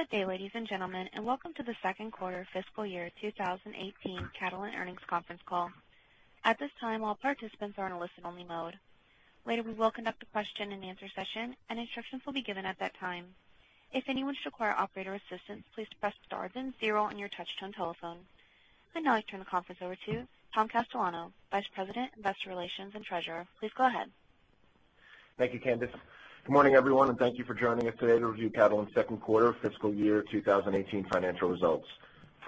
Good day, ladies and gentlemen, and welcome to the second quarter of fiscal year 2018 Catalent Earnings Conference Call. At this time, all participants are on a listen-only mode. Later, we will conduct a question-and-answer session, and instructions will be given at that time. If anyone should require operator assistance, please press star then zero on your touch-tone telephone. I'd now like to turn the conference over to Tom Castellano, Vice President, Investor Relations and Treasurer. Please go ahead. Thank you, Candice. Good morning, everyone, and thank you for joining us today to review Catalent's second quarter of fiscal year 2018 financial results.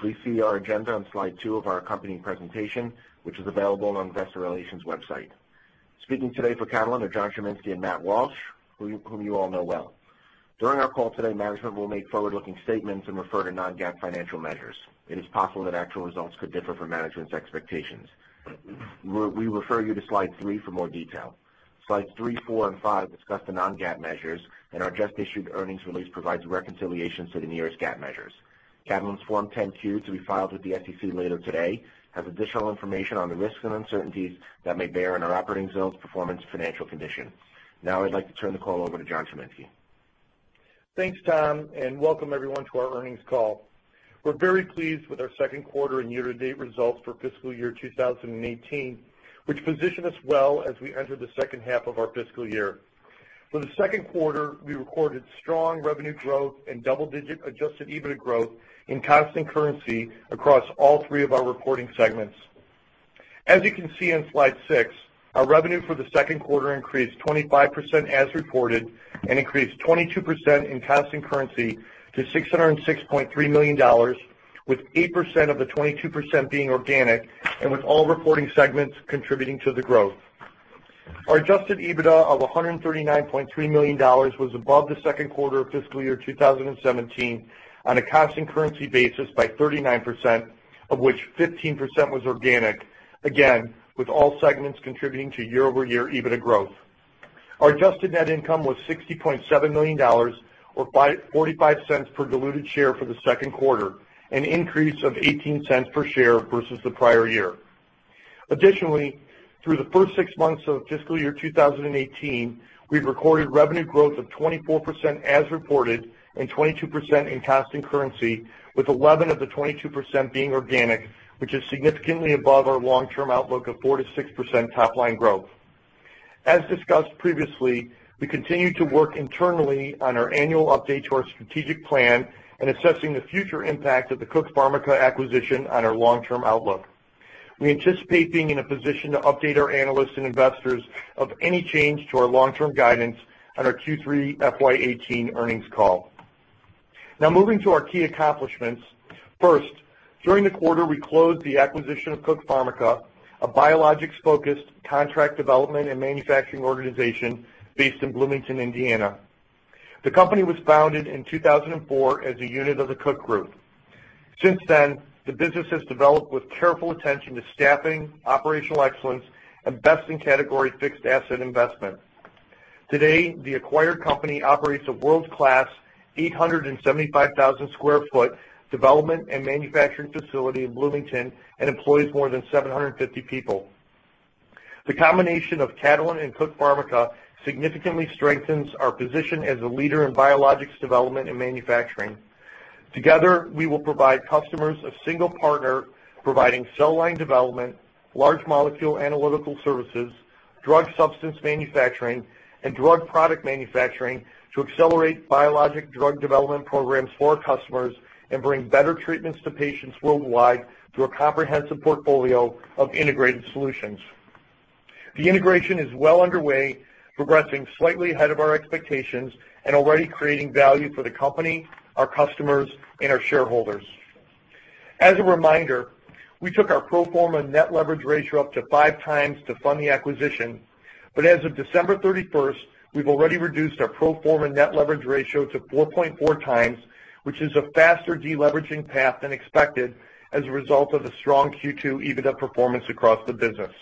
Please see our agenda on slide two of our accompanying presentation, which is available on Investor Relations' website. Speaking today for Catalent are John Chiminski and Matt Walsh, whom you all know well. During our call today, management will make forward-looking statements and refer to non-GAAP financial measures. It is possible that actual results could differ from management's expectations. We refer you to slide three for more detail. Slides three, four, and five discuss the non-GAAP measures, and our just-issued earnings release provides reconciliation to the nearest GAAP measures. Catalent's Form 10-Q, to be filed with the SEC later today, has additional information on the risks and uncertainties that may bear on our operations, performance, and financial condition. Now, I'd like to turn the call over to John Chiminski. Thanks, Tom, and welcome, everyone, to our earnings call. We're very pleased with our second quarter and year-to-date results for fiscal year 2018, which position us well as we enter the second half of our fiscal year. For the second quarter, we recorded strong revenue growth and double-digit Adjusted EBITDA growth in constant currency across all three of our reporting segments. As you can see on slide six, our revenue for the second quarter increased 25% as reported and increased 22% in constant currency to $606.3 million, with 8% of the 22% being organic and with all reporting segments contributing to the growth. Our Adjusted EBITDA of $139.3 million was above the second quarter of fiscal year 2017 on a constant currency basis by 39%, of which 15% was organic, again, with all segments contributing to year-over-year EBITDA growth. Our adjusted net income was $60.7 million, or $0.45 per diluted share for the second quarter, an increase of $0.18 per share versus the prior year. Additionally, through the first six months of fiscal year 2018, we've recorded revenue growth of 24% as reported and 22% in constant currency, with 11 of the 22% being organic, which is significantly above our long-term outlook of 4%-6% top-line growth. As discussed previously, we continue to work internally on our annual update to our strategic plan and assessing the future impact of the Cook Pharmica acquisition on our long-term outlook. We anticipate being in a position to update our analysts and investors of any change to our long-term guidance on our Q3 FY18 earnings call. Now, moving to our key accomplishments. First, during the quarter, we closed the acquisition of Cook Pharmica, a biologics-focused contract development and manufacturing organization based in Bloomington, Indiana. The company was founded in 2004 as a unit of the Cook Group. Since then, the business has developed with careful attention to staffing, operational excellence, and best-in-category fixed asset investment. Today, the acquired company operates a world-class 875,000 sq ft development and manufacturing facility in Bloomington and employs more than 750 people. The combination of Catalent and Cook Pharmica significantly strengthens our position as a leader in biologics development and manufacturing. Together, we will provide customers a single partner providing cell line development, large molecule analytical services, drug substance manufacturing, and drug product manufacturing to accelerate biologic drug development programs for our customers and bring better treatments to patients worldwide through a comprehensive portfolio of integrated solutions. The integration is well underway, progressing slightly ahead of our expectations and already creating value for the company, our customers, and our shareholders. As a reminder, we took our pro forma net leverage ratio up to five times to fund the acquisition, but as of December 31st, we've already reduced our pro forma net leverage ratio to 4.4 times, which is a faster deleveraging path than expected as a result of the strong Q2 EBITDA performance across the business.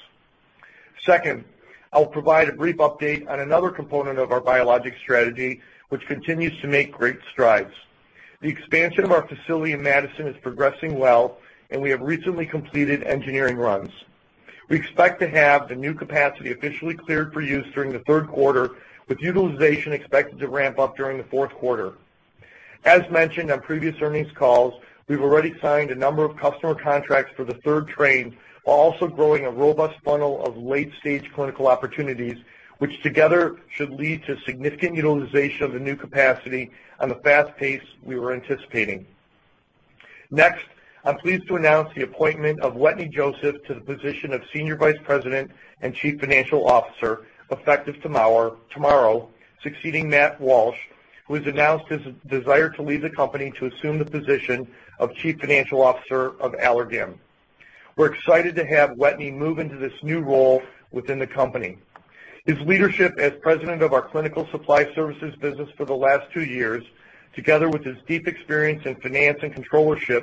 Second, I'll provide a brief update on another component of our biologic strategy, which continues to make great strides. The expansion of our facility in Madison is progressing well, and we have recently completed engineering runs. We expect to have the new capacity officially cleared for use during the third quarter, with utilization expected to ramp up during the fourth quarter. As mentioned on previous earnings calls, we've already signed a number of customer contracts for the third train, while also growing a robust funnel of late-stage clinical opportunities, which together should lead to significant utilization of the new capacity on the fast pace we were anticipating. Next, I'm pleased to announce the appointment of Wetteny Joseph to the position of Senior Vice President and Chief Financial Officer effective tomorrow, succeeding Matt Walsh, who has announced his desire to leave the company to assume the position of Chief Financial Officer of Allergan. We're excited to have Wetteny move into this new role within the company. His leadership as President of our Clinical Supply Services business for the last two years, together with his deep experience in finance and controllership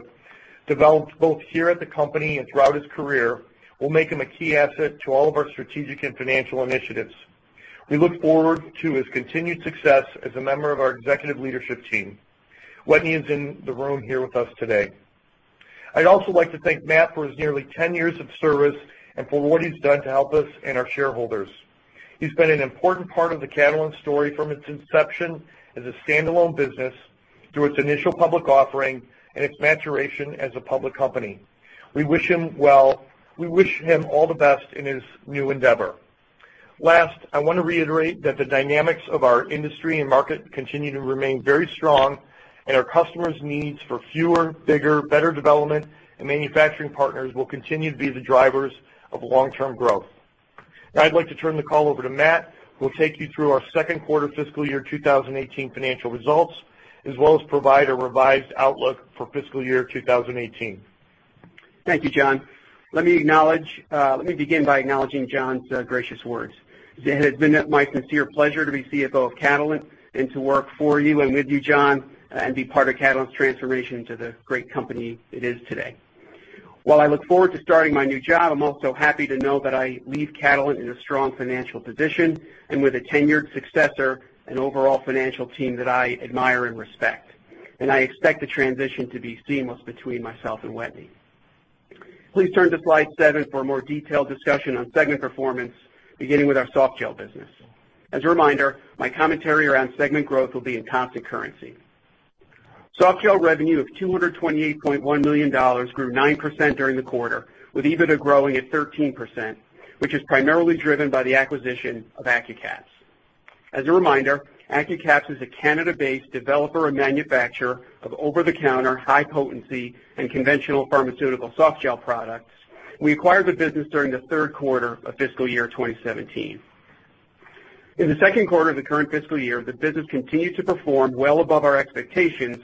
developed both here at the company and throughout his career, will make him a key asset to all of our strategic and financial initiatives. We look forward to his continued success as a member of our executive leadership team. Wetteny is in the room here with us today. I'd also like to thank Matt for his nearly 10 years of service and for what he's done to help us and our shareholders. He's been an important part of the Catalent story from its inception as a standalone business through its initial public offering and its maturation as a public company. We wish him all the best in his new endeavor. Last, I want to reiterate that the dynamics of our industry and market continue to remain very strong, and our customers' needs for fewer, bigger, better development and manufacturing partners will continue to be the drivers of long-term growth. Now, I'd like to turn the call over to Matt, who will take you through our second quarter fiscal year 2018 financial results, as well as provide a revised outlook for fiscal year 2018. Thank you, John. Let me begin by acknowledging John's gracious words. It has been my sincere pleasure to be CFO of Catalent and to work for you and with you, John, and be part of Catalent's transformation into the great company it is today. While I look forward to starting my new job, I'm also happy to know that I leave Catalent in a strong financial position and with a tenured successor and overall financial team that I admire and respect. And I expect the transition to be seamless between myself and Wetteny. Please turn to slide seven for a more detailed discussion on segment performance, beginning with our Softgel business. As a reminder, my commentary around segment growth will be in constant currency. Softgel revenue of $228.1 million grew 9% during the quarter, with EBITDA growing at 13%, which is primarily driven by the acquisition of Accucaps. As a reminder, Accucaps is a Canada-based developer and manufacturer of over-the-counter, high-potency, and conventional pharmaceutical softgel products. We acquired the business during the third quarter of fiscal year 2017. In the second quarter of the current fiscal year, the business continued to perform well above our expectations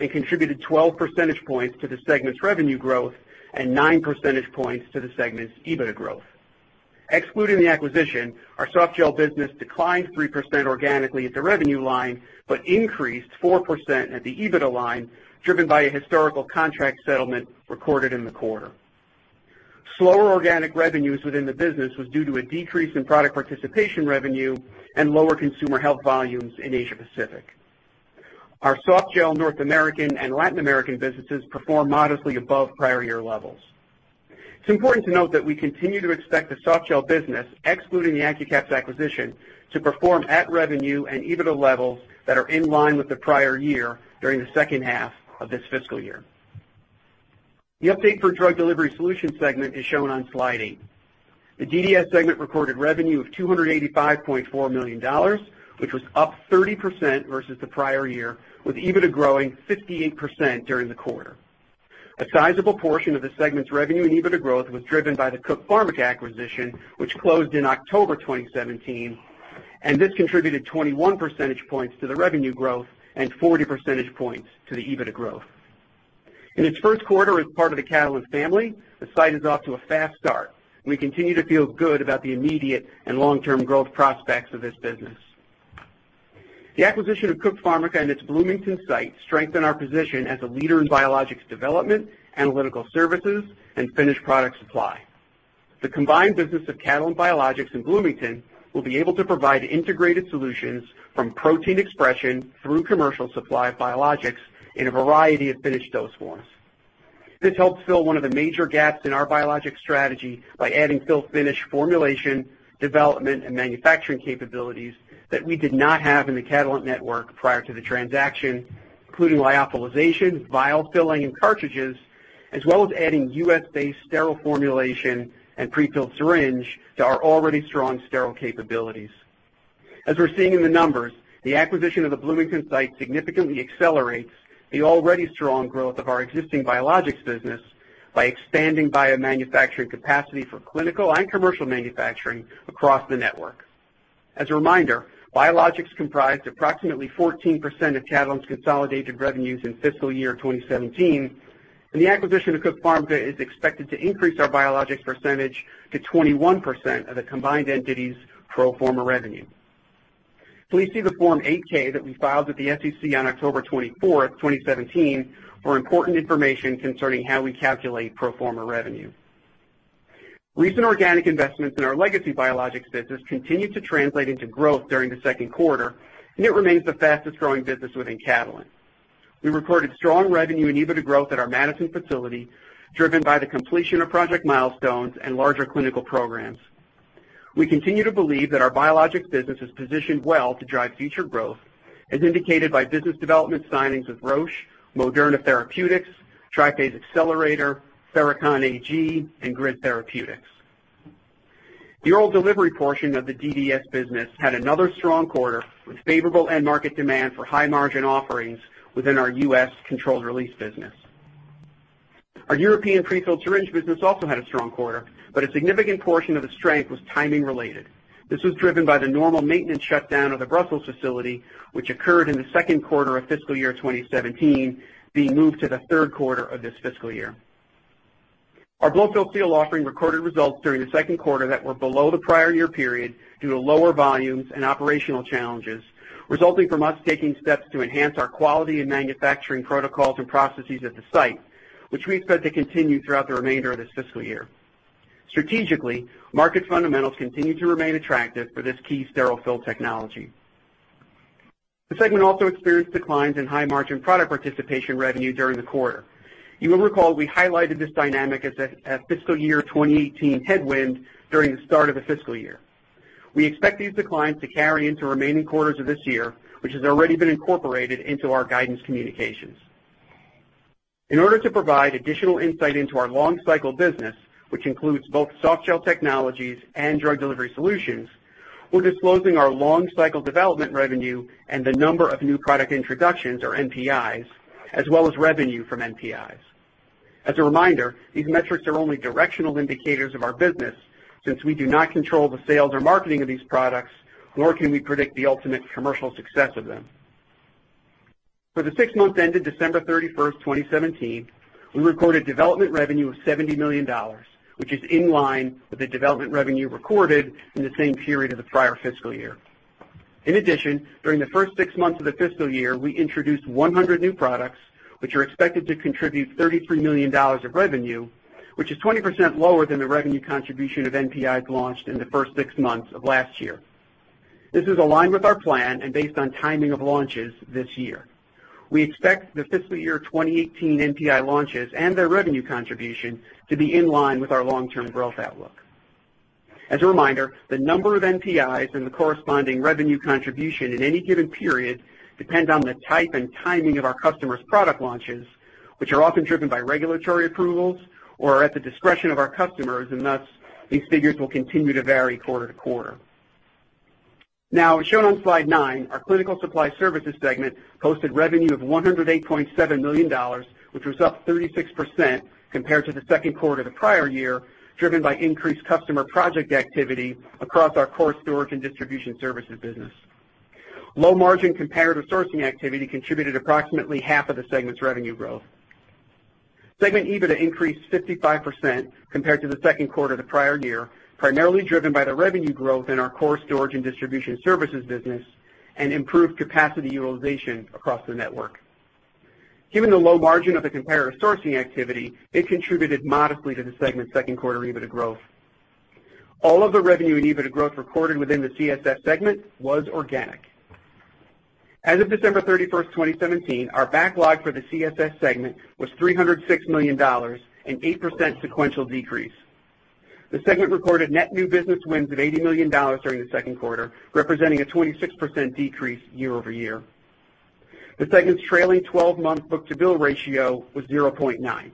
and contributed 12 percentage points to the segment's revenue growth and 9 percentage points to the segment's EBITDA growth. Excluding the acquisition, our Softgel business declined 3% organically at the revenue line but increased 4% at the EBITDA line, driven by a historical contract settlement recorded in the quarter. Slower organic revenues within the business were due to a decrease in product participation revenue and lower consumer health volumes in Asia-Pacific. Our Softgel North American and Latin American businesses perform modestly above prior year levels. It's important to note that we continue to expect the Softgel business, excluding the Accucaps acquisition, to perform at revenue and EBITDA levels that are in line with the prior year during the second half of this fiscal year. The update for Drug Delivery Solutions segment is shown on slide eight. The DDS segment recorded revenue of $285.4 million, which was up 30% versus the prior year, with EBITDA growing 58% during the quarter. A sizable portion of the segment's revenue and EBITDA growth was driven by the Cook Pharmica acquisition, which closed in October 2017, and this contributed 21 percentage points to the revenue growth and 40 percentage points to the EBITDA growth. In its first quarter as part of the Catalent family, the site is off to a fast start. We continue to feel good about the immediate and long-term growth prospects of this business. The acquisition of Cook Pharmica and its Bloomington site strengthen our position as a leader in biologics development, analytical services, and finished product supply. The combined business of Catalent Biologics and Bloomington will be able to provide integrated solutions from protein expression through commercial supply of biologics in a variety of finished dose forms. This helps fill one of the major gaps in our biologic strategy by adding fill-finish formulation, development, and manufacturing capabilities that we did not have in the Catalent network prior to the transaction, including lyophilization, vial filling, and cartridges, as well as adding U.S.-based sterile formulation and prefilled syringe to our already strong sterile capabilities. As we're seeing in the numbers, the acquisition of the Bloomington site significantly accelerates the already strong growth of our existing biologics business by expanding biomanufacturing capacity for clinical and commercial manufacturing across the network. As a reminder, biologics comprised approximately 14% of Catalent's consolidated revenues in fiscal year 2017, and the acquisition of Cook Pharmica is expected to increase our biologics percentage to 21% of the combined entity's pro forma revenue. Please see the Form 8-K that we filed with the SEC on October 24th, 2017, for important information concerning how we calculate pro forma revenue. Recent organic investments in our legacy biologics business continue to translate into growth during the second quarter, and it remains the fastest-growing business within Catalent. We recorded strong revenue and EBITDA growth at our Madison facility, driven by the completion of project milestones and larger clinical programs. We continue to believe that our biologics business is positioned well to drive future growth, as indicated by business development signings with Roche, Moderna Therapeutics, Triphase Accelerator, Therachon AG, and Grid Therapeutics. The oral delivery portion of the DDS business had another strong quarter with favorable end-market demand for high-margin offerings within our U.S. controlled-release business. Our European prefilled syringe business also had a strong quarter, but a significant portion of the strength was timing-related. This was driven by the normal maintenance shutdown of the Brussels facility, which occurred in the second quarter of fiscal year 2017, being moved to the third quarter of this fiscal year. Our blow-fill-seal offering recorded results during the second quarter that were below the prior year period due to lower volumes and operational challenges, resulting from us taking steps to enhance our quality and manufacturing protocols and processes at the site, which we expect to continue throughout the remainder of this fiscal year. Strategically, market fundamentals continue to remain attractive for this key sterile fill technology. The segment also experienced declines in high-margin product participation revenue during the quarter. You will recall we highlighted this dynamic as a fiscal year 2018 headwind during the start of the fiscal year. We expect these declines to carry into remaining quarters of this year, which has already been incorporated into our guidance communications. In order to provide additional insight into our long-cycle business, which includes both Softgel Technologies and Drug Delivery Solutions, we're disclosing our long-cycle development revenue and the number of new product introductions, or NPIs, as well as revenue from NPIs. As a reminder, these metrics are only directional indicators of our business since we do not control the sales or marketing of these products, nor can we predict the ultimate commercial success of them. For the six months ended December 31st, 2017, we recorded development revenue of $70 million, which is in line with the development revenue recorded in the same period of the prior fiscal year. In addition, during the first six months of the fiscal year, we introduced 100 new products, which are expected to contribute $33 million of revenue, which is 20% lower than the revenue contribution of NPIs launched in the first six months of last year. This is aligned with our plan and based on timing of launches this year. We expect the fiscal year 2018 NPI launches and their revenue contribution to be in line with our long-term growth outlook. As a reminder, the number of NPIs and the corresponding revenue contribution in any given period depend on the type and timing of our customers' product launches, which are often driven by regulatory approvals or are at the discretion of our customers, and thus these figures will continue to vary quarter to quarter. Now, as shown on slide nine, our Clinical Supply Services segment posted revenue of $108.7 million, which was up 36% compared to the second quarter of the prior year, driven by increased customer project activity across our core storage and distribution services business. Low-margin comparator sourcing activity contributed approximately half of the segment's revenue growth. Segment EBITDA increased 55% compared to the second quarter of the prior year, primarily driven by the revenue growth in our core storage and distribution services business and improved capacity utilization across the network. Given the low margin of the comparator sourcing activity, it contributed modestly to the segment's second quarter EBITDA growth. All of the revenue and EBITDA growth recorded within the CSS segment was organic. As of December 31st, 2017, our backlog for the CSS segment was $306 million, an 8% sequential decrease. The segment recorded net new business wins of $80 million during the second quarter, representing a 26% decrease year over year. The segment's trailing 12-month book-to-bill ratio was 0.9.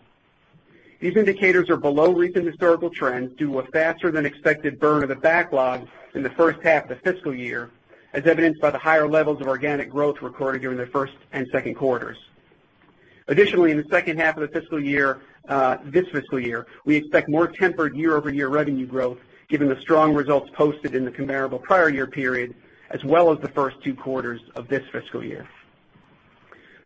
These indicators are below recent historical trends due to a faster-than-expected burn of the backlog in the first half of the fiscal year, as evidenced by the higher levels of organic growth recorded during the first and second quarters. Additionally, in the second half of this fiscal year, we expect more tempered year-over-year revenue growth, given the strong results posted in the comparable prior year period, as well as the first two quarters of this fiscal year.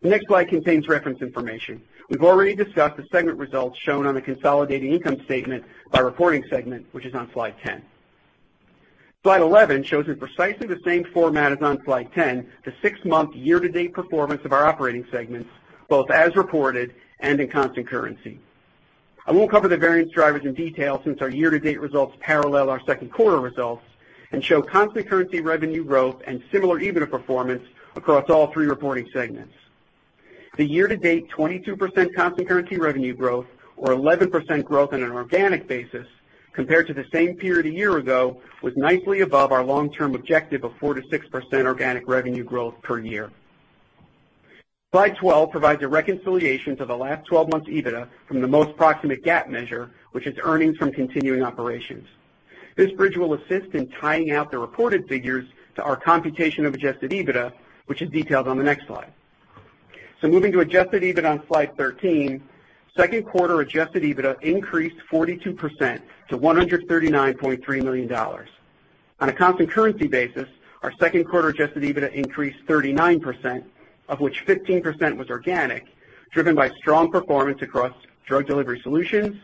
The next slide contains reference information. We've already discussed the segment results shown on the consolidated income statement by reporting segment, which is on slide 10. Slide 11 shows in precisely the same format as on slide 10 the six-month year-to-date performance of our operating segments, both as reported and in constant currency. I won't cover the variance drivers in detail since our year-to-date results parallel our second quarter results and show constant currency revenue growth and similar EBITDA performance across all three reporting segments. The year-to-date 22% constant currency revenue growth, or 11% growth on an organic basis, compared to the same period a year ago, was nicely above our long-term objective of 4%-6% organic revenue growth per year. Slide 12 provides a reconciliation to the last 12 months' EBITDA from the most proximate GAAP measure, which is earnings from continuing operations. This bridge will assist in tying out the reported figures to our computation of adjusted EBITDA, which is detailed on the next slide. Moving to adjusted EBITDA on slide 13, second quarter adjusted EBITDA increased 42% to $139.3 million. On a constant currency basis, our second quarter adjusted EBITDA increased 39%, of which 15% was organic, driven by strong performance across Drug Delivery Solutions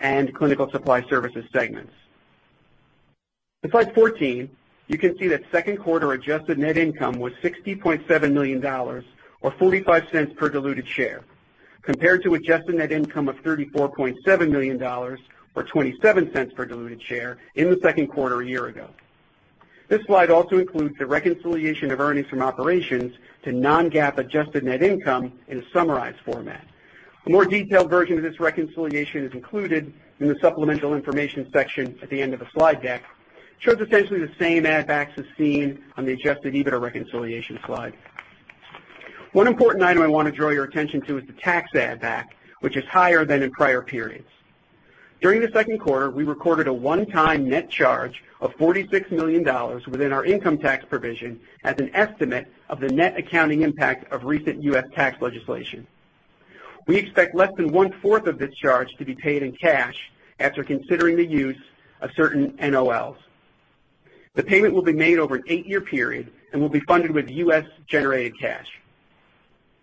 and Clinical Supply Services segments. In slide 14, you can see that second quarter adjusted net income was $60.7 million, or $0.45 per diluted share, compared to adjusted net income of $34.7 million, or $0.27 per diluted share, in the second quarter a year ago. This slide also includes the reconciliation of earnings from operations to non-GAAP adjusted net income in a summarized format. A more detailed version of this reconciliation is included in the supplemental information section at the end of the slide deck, which shows essentially the same add-backs as seen on the adjusted EBITDA reconciliation slide. One important item I want to draw your attention to is the tax add-back, which is higher than in prior periods. During the second quarter, we recorded a one-time net charge of $46 million within our income tax provision as an estimate of the net accounting impact of recent U.S. tax legislation. We expect less than one-fourth of this charge to be paid in cash after considering the use of certain NOLs. The payment will be made over an eight-year period and will be funded with U.S.-generated cash.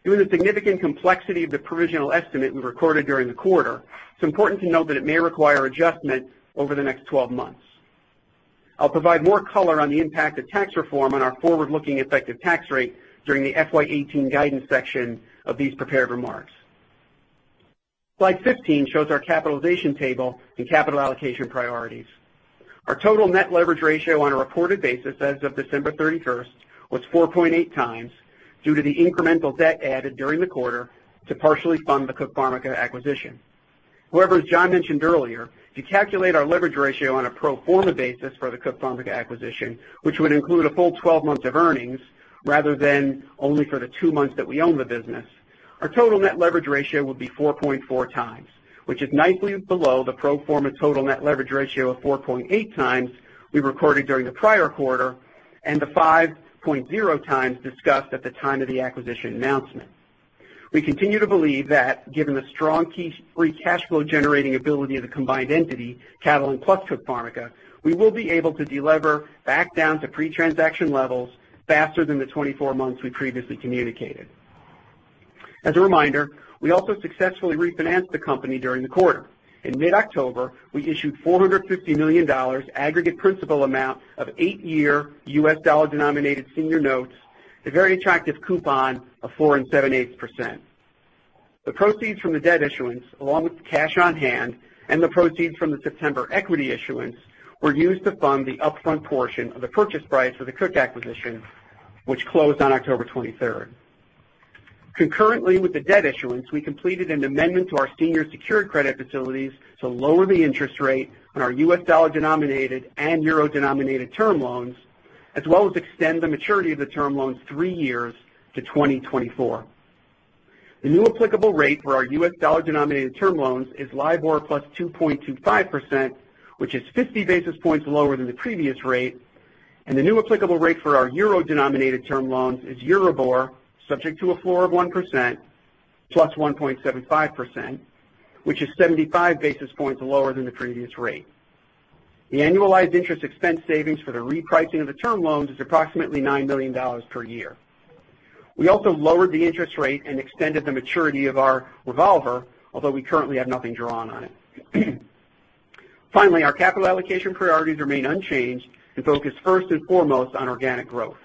Given the significant complexity of the provisional estimate we recorded during the quarter, it's important to note that it may require adjustment over the next 12 months. I'll provide more color on the impact of tax reform on our forward-looking effective tax rate during the FY18 guidance section of these prepared remarks. Slide 15 shows our capitalization table and capital allocation priorities. Our total net leverage ratio on a reported basis as of December 31st was 4.8 times due to the incremental debt added during the quarter to partially fund the Cook Pharmica acquisition. However, as John mentioned earlier, if you calculate our leverage ratio on a pro forma basis for the Cook Pharmica acquisition, which would include a full 12 months of earnings rather than only for the two months that we own the business, our total net leverage ratio would be 4.4 times, which is nicely below the pro forma total net leverage ratio of 4.8 times we recorded during the prior quarter and the 5.0 times discussed at the time of the acquisition announcement. We continue to believe that, given the strong free cash flow generating ability of the combined entity, Catalent plus Cook Pharmica, we will be able to deliver back down to pre-transaction levels faster than the 24 months we previously communicated. As a reminder, we also successfully refinanced the company during the quarter. In mid-October, we issued $450 million aggregate principal amount of eight-year U.S. dollar-denominated senior notes, a very attractive coupon of 4.78%. The proceeds from the debt issuance, along with the cash on hand and the proceeds from the September equity issuance, were used to fund the upfront portion of the purchase price for the Cook acquisition, which closed on October 23rd. Concurrently with the debt issuance, we completed an amendment to our senior secured credit facilities to lower the interest rate on our U.S. dollar-denominated and euro-denominated term loans, as well as extend the maturity of the term loans three years to 2024. The new applicable rate for our U.S. dollar-denominated term loans is LIBOR plus 2.25%, which is 50 basis points lower than the previous rate, and the new applicable rate for our euro-denominated term loans is Euribor, subject to a floor of 1% plus 1.75%, which is 75 basis points lower than the previous rate. The annualized interest expense savings for the repricing of the term loans is approximately $9 million per year. We also lowered the interest rate and extended the maturity of our revolver, although we currently have nothing drawn on it. Finally, our capital allocation priorities remain unchanged and focus first and foremost on organic growth.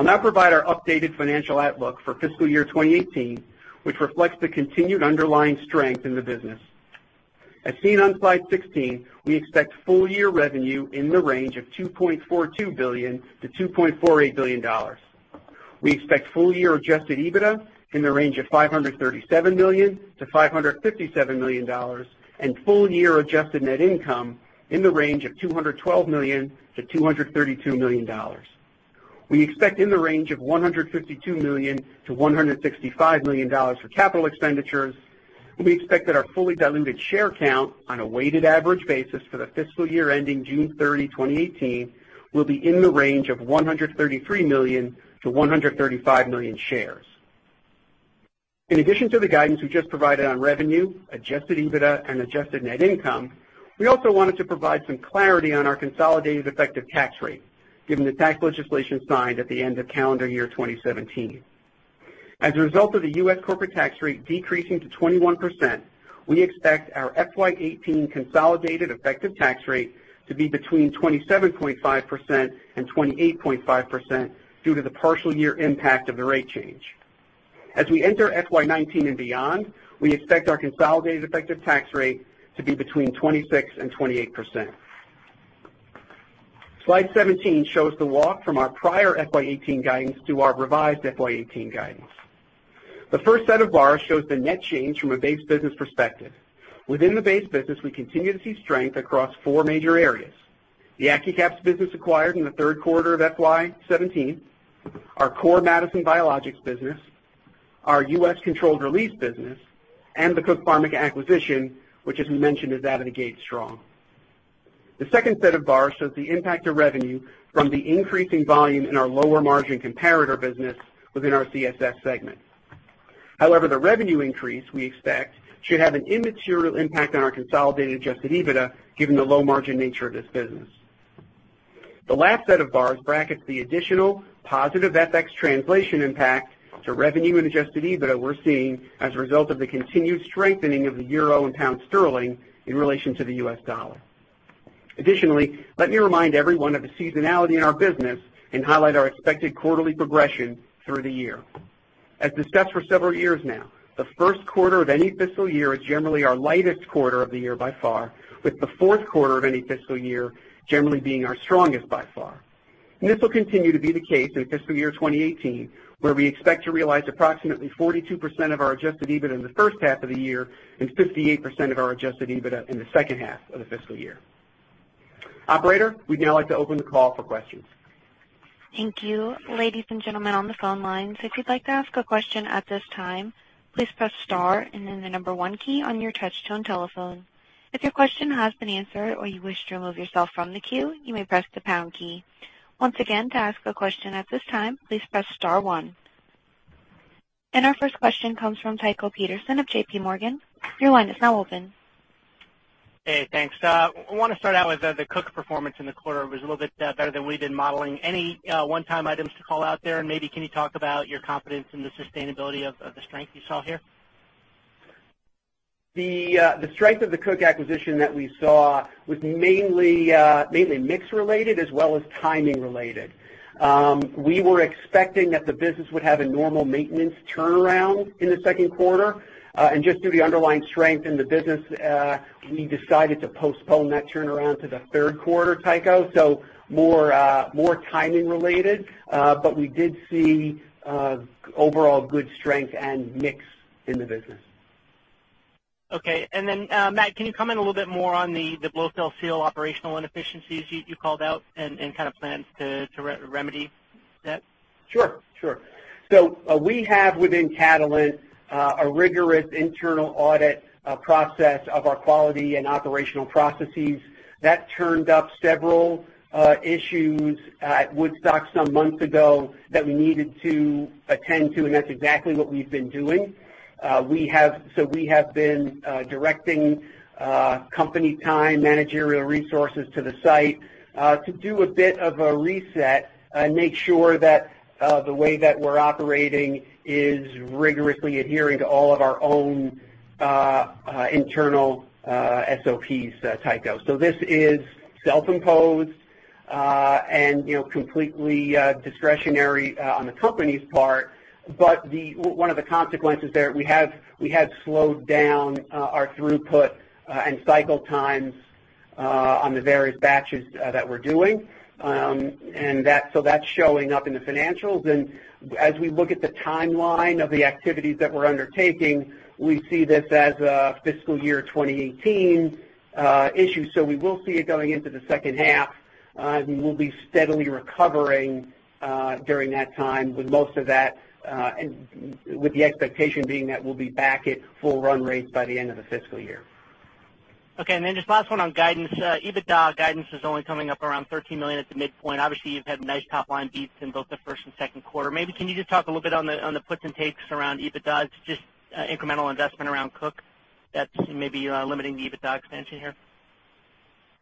I'll now provide our updated financial outlook for fiscal year 2018, which reflects the continued underlying strength in the business. As seen on slide 16, we expect full year revenue in the range of $2.42 billion-$2.48 billion. We expect full year Adjusted EBITDA in the range of $537 million-$557 million and full year Adjusted Net Income in the range of $212 million-$232 million. We expect in the range of $152 million-$165 million for capital expenditures. We expect that our fully diluted share count on a weighted average basis for the fiscal year ending June 30, 2018, will be in the range of 133 million-135 million shares. In addition to the guidance we just provided on revenue, Adjusted EBITDA, and Adjusted Net Income, we also wanted to provide some clarity on our consolidated effective tax rate, given the tax legislation signed at the end of calendar year 2017. As a result of the U.S. corporate tax rate decreasing to 21%, we expect our FY18 consolidated effective tax rate to be between 27.5%-28.5% due to the partial year impact of the rate change. As we enter FY19 and beyond, we expect our consolidated effective tax rate to be between 26%-28%. Slide 17 shows the walk from our prior FY18 guidance to our revised FY18 guidance. The first set of bars shows the net change from a base business perspective. Within the base business, we continue to see strength across four major areas: the Accucaps business acquired in the third quarter of FY17, our core Madison biologics business, our U.S. controlled release business, and the Cook Pharmica acquisition, which, as we mentioned, is out of the gate strong. The second set of bars shows the impact of revenue from the increasing volume in our lower margin comparator business within our CSS segment. However, the revenue increase we expect should have an immaterial impact on our consolidated Adjusted EBITDA, given the low margin nature of this business. The last set of bars brackets the additional positive FX translation impact to revenue and Adjusted EBITDA we're seeing as a result of the continued strengthening of the euro and pound sterling in relation to the U.S. dollar. Additionally, let me remind everyone of the seasonality in our business and highlight our expected quarterly progression through the year. As discussed for several years now, the first quarter of any fiscal year is generally our lightest quarter of the year by far, with the fourth quarter of any fiscal year generally being our strongest by far. And this will continue to be the case in fiscal year 2018, where we expect to realize approximately 42% of our adjusted EBITDA in the first half of the year and 58% of our adjusted EBITDA in the second half of the fiscal year. Operator, we'd now like to open the call for questions. Thank you. Ladies and gentlemen on the phone lines, if you'd like to ask a question at this time, please press star and then the number one key on your touch-tone telephone. If your question has been answered or you wish to remove yourself from the queue, you may press the pound key. Once again, to ask a question at this time, please press star one. And our first question comes from Tycho Peterson of JPMorgan. Your line is now open. Hey, thanks. I want to start out with the Cook performance in the quarter. It was a little bit better than we did modeling. Any one-time items to call out there? And maybe can you talk about your confidence in the sustainability of the strength you saw here? The strength of the Cook acquisition that we saw was mainly mix-related as well as timing-related. We were expecting that the business would have a normal maintenance turnaround in the second quarter. And just due to underlying strength in the business, we decided to postpone that turnaround to the third quarter, Tycho, so more timing-related. But we did see overall good strength and mix in the business. Okay. And then, Matt, can you comment a little bit more on the blow-fill-seal operational inefficiencies you called out and kind of planned to remedy that? Sure. Sure. So we have within Catalent a rigorous internal audit process of our quality and operational processes. That turned up several issues at Woodstock some months ago that we needed to attend to, and that's exactly what we've been doing. So we have been directing company time, managerial resources to the site to do a bit of a reset and make sure that the way that we're operating is rigorously adhering to all of our own internal SOPs, Tycho. So this is self-imposed and completely discretionary on the company's part. But one of the consequences there, we have slowed down our throughput and cycle times on the various batches that we're doing. And so that's showing up in the financials. And as we look at the timeline of the activities that we're undertaking, we see this as a fiscal year 2018 issue. So we will see it going into the second half, and we'll be steadily recovering during that time with most of that, with the expectation being that we'll be back at full run rates by the end of the fiscal year. Okay. And then just last one on guidance. EBITDA guidance is only coming up around $13 million at the midpoint. Obviously, you've had nice top-line beats in both the first and second quarter. Maybe can you just talk a little bit on the puts and takes around EBITDA? It's just incremental investment around Cook that's maybe limiting the EBITDA expansion here.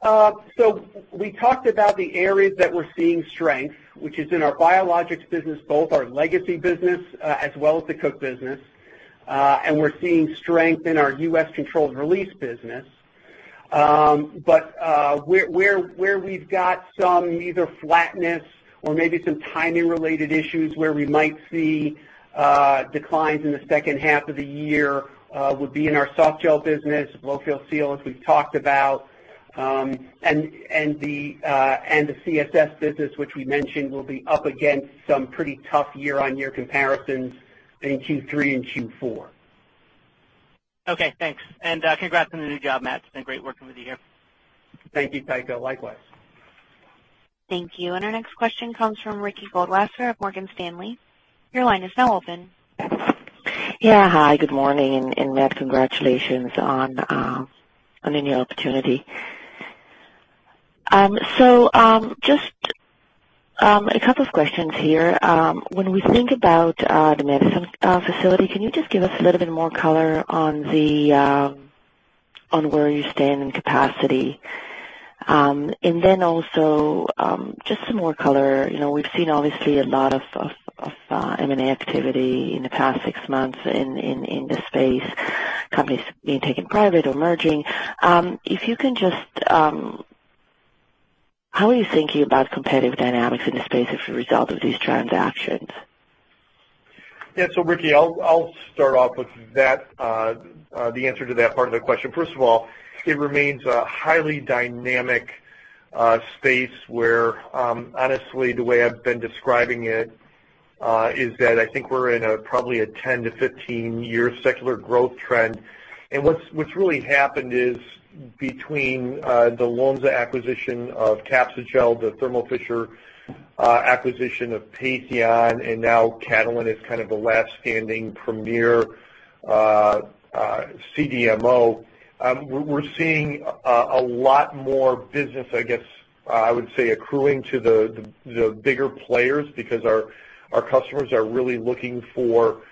So we talked about the areas that we're seeing strength, which is in our biologics business, both our legacy business as well as the Cook business. And we're seeing strength in our U.S. controlled release business. But where we've got some either flatness or maybe some timing-related issues where we might see declines in the second half of the year would be in our softgel business, blow-fill-seal as we've talked about. The CSS business, which we mentioned, will be up against some pretty tough year-on-year comparisons in Q3 and Q4. Okay. Thanks. And congrats on the new job, Matt. It's been great working with you here. Thank you, Tycho. Likewise. Thank you. And our next question comes from Ricky Goldwasser of Morgan Stanley. Your line is now open. Yeah. Hi. Good morning. And, Matt, congratulations on a new opportunity. So just a couple of questions here. When we think about the Madison facility, can you just give us a little bit more color on where you stand in capacity? And then also just some more color. We've seen, obviously, a lot of M&A activity in the past six months in this space, companies being taken private or merging. If you can just, how are you thinking about competitive dynamics in the space as a result of these transactions? Yeah. So, Ricky, I'll start off with the answer to that part of the question. First of all, it remains a highly dynamic space where, honestly, the way I've been describing it is that I think we're in probably a 10-15-year secular growth trend. And what's really happened is between the Lonza acquisition of Capsugel, the Thermo Fisher acquisition of Patheon, and now Catalent is kind of the last-standing premier CDMO, we're seeing a lot more business, I guess I would say, accruing to the bigger players because our customers are really looking for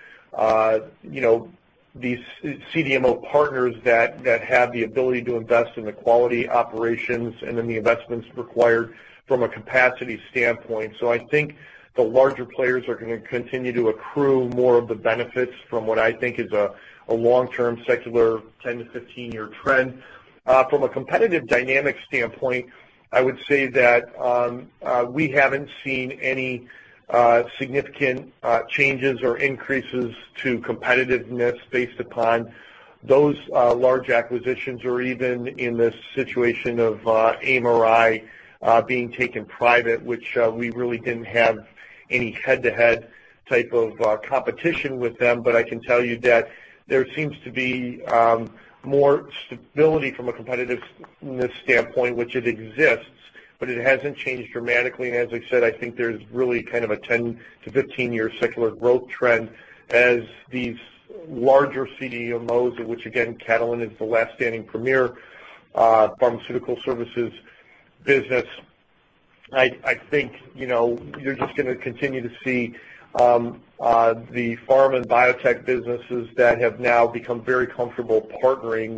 these CDMO partners that have the ability to invest in the quality operations and in the investments required from a capacity standpoint. So I think the larger players are going to continue to accrue more of the benefits from what I think is a long-term secular 10- to 15-year trend. From a competitive dynamic standpoint, I would say that we haven't seen any significant changes or increases to competitiveness based upon those large acquisitions or even in this situation of AMRI being taken private, which we really didn't have any head-to-head type of competition with them. But I can tell you that there seems to be more stability from a competitiveness standpoint, which it exists, but it hasn't changed dramatically. And as I said, I think there's really kind of a 10- to 15-year secular growth trend as these larger CDMOs, which again, Catalent is the last-standing premier pharmaceutical services business. I think you're just going to continue to see the pharma and biotech businesses that have now become very comfortable partnering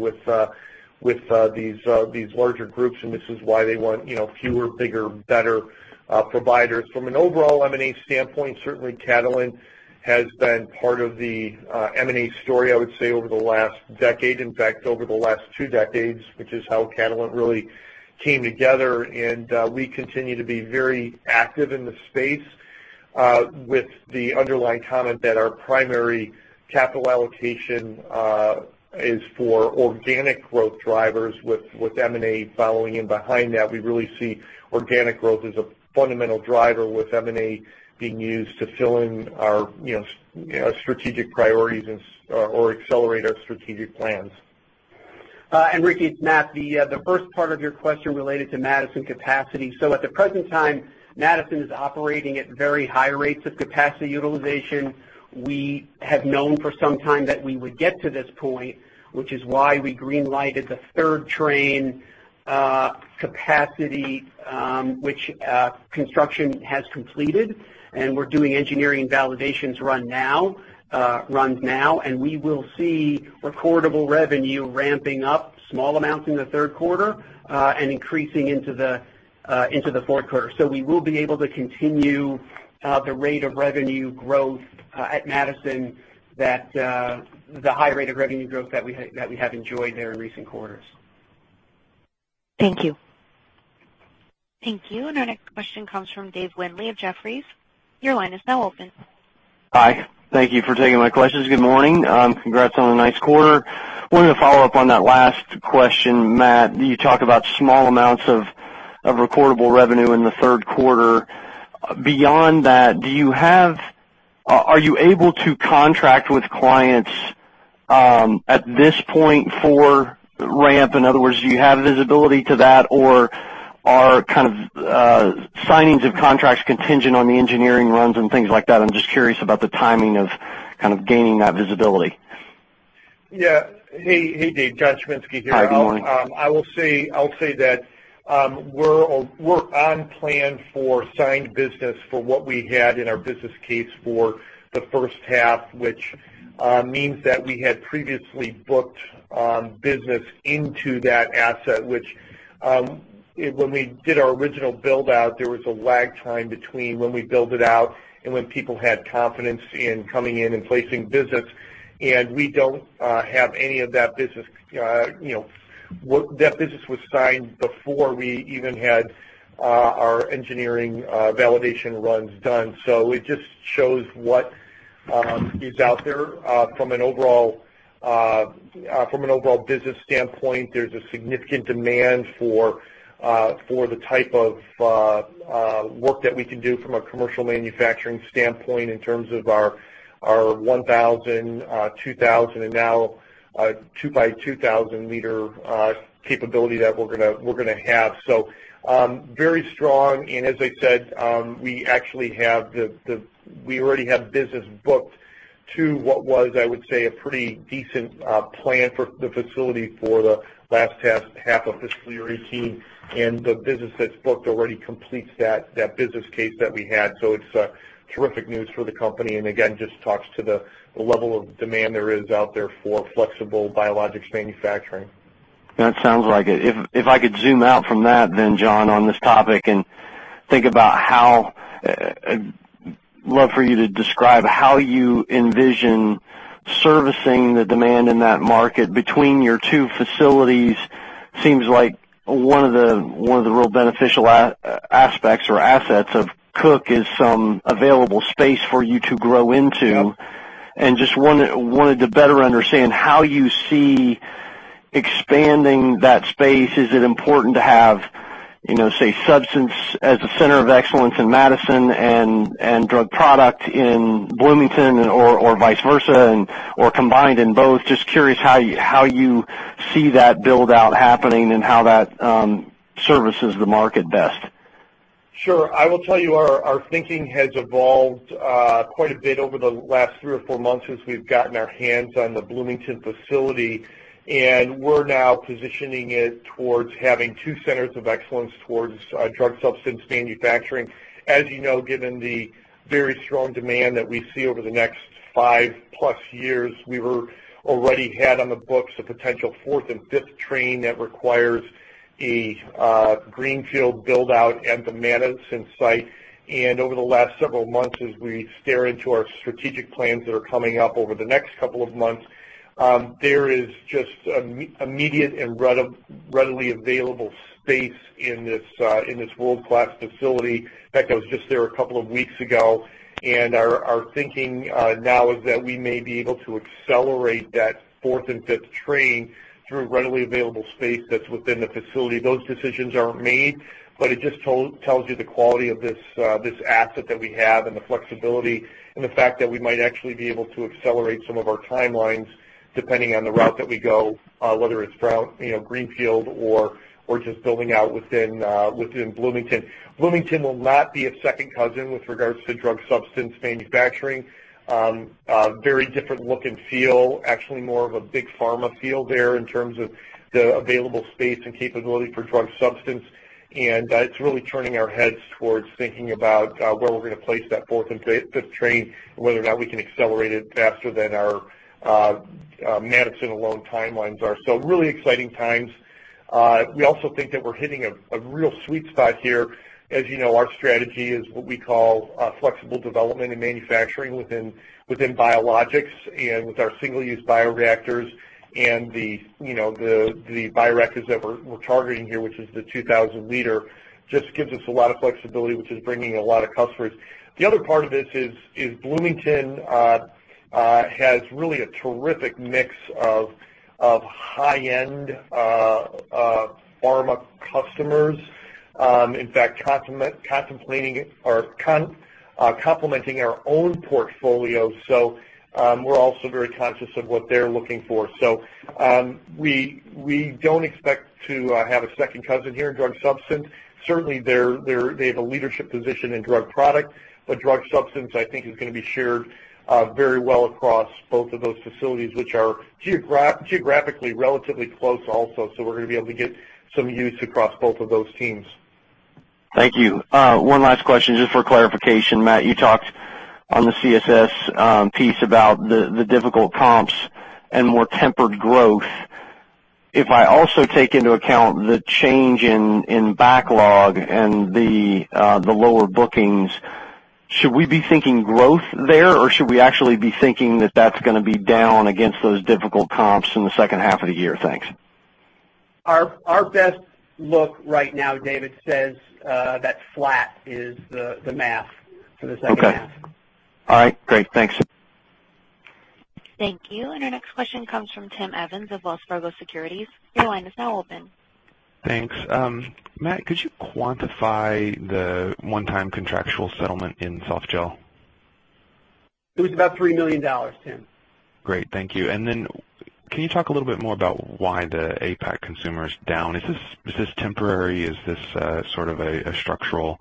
with these larger groups, and this is why they want fewer, bigger, better providers. From an overall M&A standpoint, certainly Catalent has been part of the M&A story, I would say, over the last decade, in fact, over the last two decades, which is how Catalent really came together. We continue to be very active in the space with the underlying comment that our primary capital allocation is for organic growth drivers, with M&A following in behind that. We really see organic growth as a fundamental driver with M&A being used to fill in our strategic priorities or accelerate our strategic plans. And, Ricky, Matt, the first part of your question related to Madison capacity. So at the present time, Madison is operating at very high rates of capacity utilization. We have known for some time that we would get to this point, which is why we greenlighted the third train capacity, which construction has completed. And we're doing engineering validation runs now, and we will see recordable revenue ramping up small amounts in the third quarter and increasing into the fourth quarter. So we will be able to continue the rate of revenue growth at Madison, the high rate of revenue growth that we have enjoyed there in recent quarters. Thank you. Thank you. And our next question comes from Dave Windley of Jefferies. Your line is now open. Hi. Thank you for taking my questions. Good morning. Congrats on a nice quarter. Wanted to follow up on that last question, Matt. You talk about small amounts of recordable revenue in the third quarter. Beyond that, are you able to contract with clients at this point for ramp? In other words, do you have visibility to that, or are kind of signings of contracts contingent on the engineering runs and things like that? I'm just curious about the timing of kind of gaining that visibility. Yeah. Hey, Dave. John Chiminski here. Hi. Good morning. I will say that we're on plan for signed business for what we had in our business case for the first half, which means that we had previously booked business into that asset, which when we did our original build-out, there was a lag time between when we built it out and when people had confidence in coming in and placing business, and we don't have any of that business. That business was signed before we even had our engineering validation runs done, so it just shows what is out there. From an overall business standpoint, there's a significant demand for the type of work that we can do from a commercial manufacturing standpoint in terms of our 1,000, 2,000, and now 2x2,000-liter capability that we're going to have, so very strong. As I said, we actually have—we already have business booked to what was, I would say, a pretty decent plan for the facility for the last half of fiscal year 2018. And the business that's booked already completes that business case that we had. So it's terrific news for the company. And again, just talks to the level of demand there is out there for flexible biologics manufacturing. That sounds like it. If I could zoom out from that then, John, on this topic and think about how I'd love for you to describe how you envision servicing the demand in that market between your two facilities. Seems like one of the real beneficial aspects or assets of Cook is some available space for you to grow into. And just wanted to better understand how you see expanding that space. Is it important to have, say, drug substance as a center of excellence in Madison and drug product in Bloomington or vice versa or combined in both? Just curious how you see that build-out happening and how that services the market best. Sure. I will tell you our thinking has evolved quite a bit over the last three or four months since we've gotten our hands on the Bloomington facility. And we're now positioning it towards having two centers of excellence towards drug substance manufacturing. As you know, given the very strong demand that we see over the next five-plus years, we already had on the books a potential fourth and fifth train that requires a greenfield build-out at the Madison site. And over the last several months, as we stare into our strategic plans that are coming up over the next couple of months, there is just immediate and readily available space in this world-class facility. In fact, I was just there a couple of weeks ago. And our thinking now is that we may be able to accelerate that fourth and fifth train through readily available space that's within the facility. Those decisions aren't made, but it just tells you the quality of this asset that we have and the flexibility and the fact that we might actually be able to accelerate some of our timelines depending on the route that we go, whether it's greenfield or just building out within Bloomington. Bloomington will not be a second cousin with regards to drug substance manufacturing. Very different look and feel, actually more of a big pharma field there in terms of the available space and capability for drug substance, and it's really turning our heads towards thinking about where we're going to place that fourth and fifth train and whether or not we can accelerate it faster than our Madison alone timelines are, so really exciting times. We also think that we're hitting a real sweet spot here. As you know, our strategy is what we call flexible development and manufacturing within biologics and with our single-use bioreactors and the bioreactors that we're targeting here, which is the 2,000-liter, just gives us a lot of flexibility, which is bringing a lot of customers. The other part of this is Bloomington has really a terrific mix of high-end pharma customers, in fact, complementing our own portfolio, so we're also very conscious of what they're looking for. So we don't expect to have a second campus here in drug substance. Certainly, they have a leadership position in drug product, but drug substance, I think, is going to be shared very well across both of those facilities, which are geographically relatively close also. So we're going to be able to get some use across both of those teams. Thank you. One last question just for clarification. Matt, you talked on the CSS piece about the difficult comps and more tempered growth. If I also take into account the change in backlog and the lower bookings, should we be thinking growth there, or should we actually be thinking that that's going to be down against those difficult comps in the second half of the year? Thanks. Our best look right now, David, says that flat is the math for the second half. Okay. All right. Great. Thanks. Thank you. Our next question comes from Tim Evans of Wells Fargo Securities. Your line is now open. Thanks. Matt, could you quantify the one-time contractual settlement in Softgel? It was about $3 million, Tim. Great. Thank you. And then can you talk a little bit more about why the APAC consumer is down? Is this temporary? Is this sort of a structural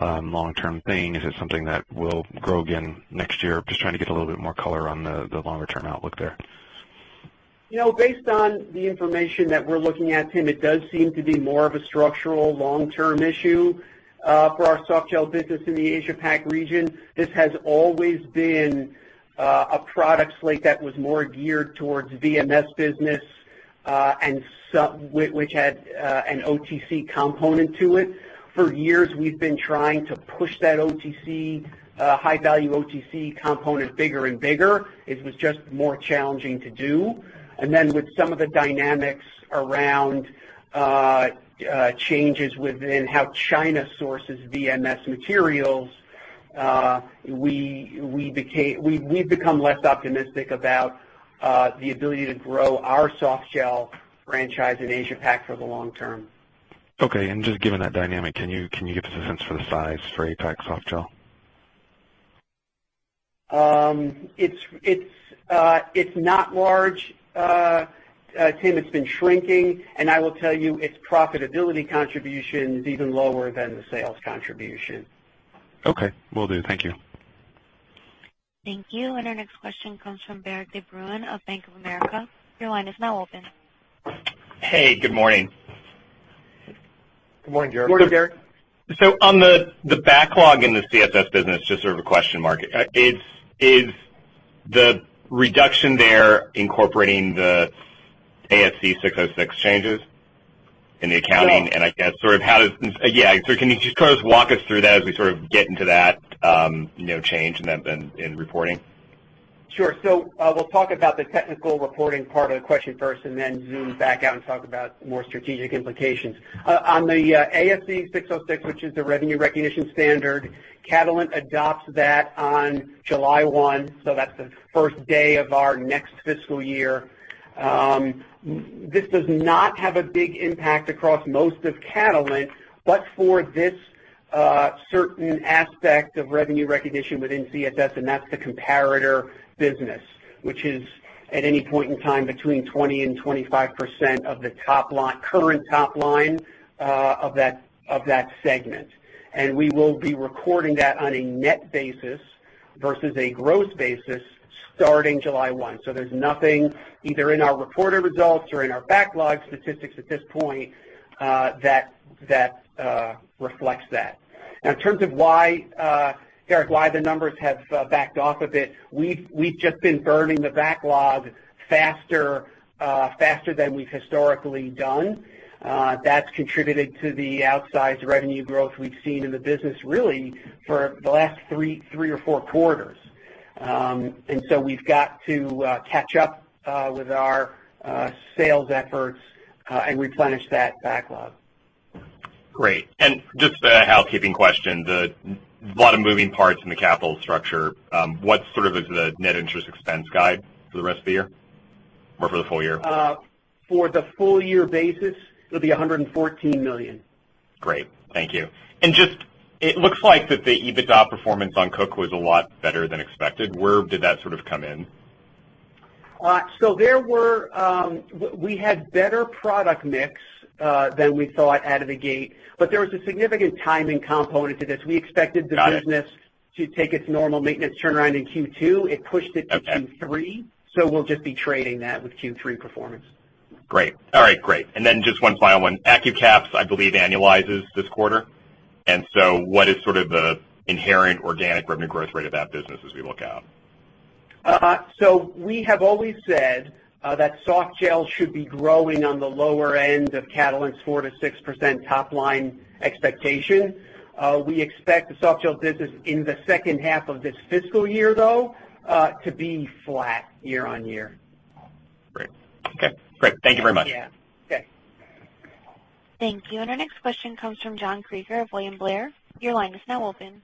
long-term thing? Is it something that will grow again next year? Just trying to get a little bit more color on the longer-term outlook there. Based on the information that we're looking at, Tim, it does seem to be more of a structural long-term issue for our Softgel business in the Asia-Pac region. This has always been a product slate that was more geared towards VMS business, which had an OTC component to it. For years, we've been trying to push that high-value OTC component bigger and bigger. It was just more challenging to do. And then with some of the dynamics around changes within how China sources VMS materials, we've become less optimistic about the ability to grow our Softgel franchise in Asia-Pac for the long term. Okay. And just given that dynamic, can you give us a sense for the size for APAC Softgel? It's not large, Tim. It's been shrinking. And I will tell you its profitability contribution is even lower than the sales contribution. Okay. Will do. Thank you. Thank you. And our next question comes from Derik De Bruin of Bank of America. Your line is now open. Hey. Good morning. Good morning, Derek. Morning, Derek. So on the backlog in the CSS business, just sort of a question mark, is the reduction there incorporating the ASC 606 changes in the accounting? And I guess sort of how does—yeah. So can you just kind of walk us through that as we sort of get into that change in reporting? Sure. So we'll talk about the technical reporting part of the question first and then zoom back out and talk about more strategic implications. On the ASC 606, which is the revenue recognition standard, Catalent adopts that on July 1. So that's the first day of our next fiscal year. This does not have a big impact across most of Catalent, but for this certain aspect of revenue recognition within CSS, and that's the comparator business, which is at any point in time between 20% and 25% of the current top line of that segment. And we will be recording that on a net basis versus a gross basis starting July 1. So there's nothing either in our reported results or in our backlog statistics at this point that reflects that. Now, in terms of why, Derek, why the numbers have backed off a bit, we've just been burning the backlog faster than we've historically done. That's contributed to the outsized revenue growth we've seen in the business really for the last three or four quarters. And so we've got to catch up with our sales efforts and replenish that backlog. Great. And just a housekeeping question, the lot of moving parts in the capital structure, what sort of is the net interest expense guide for the rest of the year or for the full year? For the full year basis, it'll be $114 million. Great. Thank you. And just it looks like that the EBITDA performance on Cook was a lot better than expected. Where did that sort of come in? So we had better product mix than we thought out of the gate, but there was a significant timing component to this. We expected the business to take its normal maintenance turnaround in Q2. It pushed it to Q3. So we'll just be trading that with Q3 performance. Great. All right. Great. And then just one final one. Accucaps, I believe, annualizes this quarter. And so what is sort of the inherent organic revenue growth rate of that business as we look out? So we have always said that Softgel should be growing on the lower end of Catalent's 4%-6% top line expectation. We expect the Softgel business in the second half of this fiscal year, though, to be flat year on year. Great. Okay. Great. Thank you very much. Yeah. Okay. Thank you. And our next question comes from John Kreger of William Blair. Your line is now open.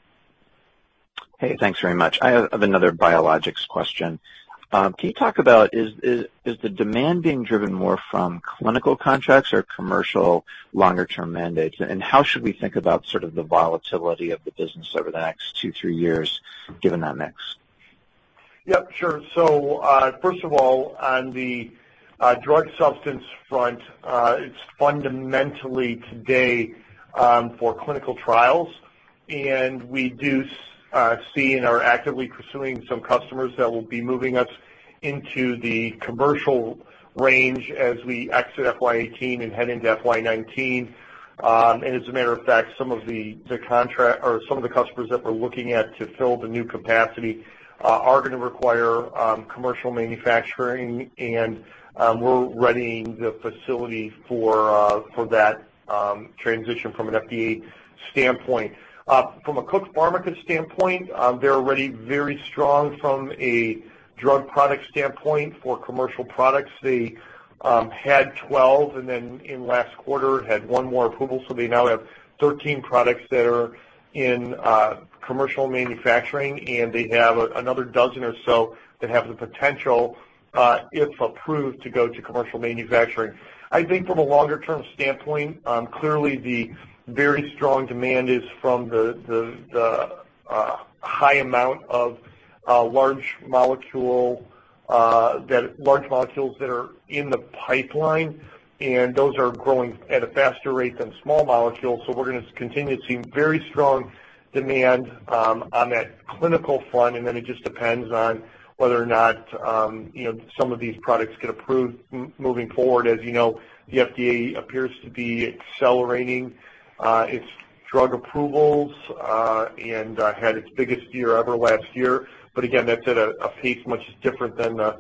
Hey. Thanks very much. I have another biologics question. Can you talk about is the demand being driven more from clinical contracts or commercial longer-term mandates? And how should we think about sort of the volatility of the business over the next two, three years given that mix? Yep. Sure. So first of all, on the drug substance front, it's fundamentally today for clinical trials. And we do see and are actively pursuing some customers that will be moving us into the commercial range as we exit FY 18 and head into FY 19. And as a matter of fact, some of the contract or some of the customers that we're looking at to fill the new capacity are going to require commercial manufacturing. And we're readying the facility for that transition from an FDA standpoint. From a Cook Pharmica standpoint, they're already very strong from a drug product standpoint. For commercial products, they had 12 and then in last quarter had one more approval. So they now have 13 products that are in commercial manufacturing. And they have another dozen or so that have the potential, if approved, to go to commercial manufacturing. I think from a longer-term standpoint, clearly the very strong demand is from the high amount of large molecules that are in the pipeline. And those are growing at a faster rate than small molecules. So we're going to continue to see very strong demand on that clinical front. And then it just depends on whether or not some of these products get approved moving forward. As you know, the FDA appears to be accelerating its drug approvals and had its biggest year ever last year. But again, that's at a pace much different than the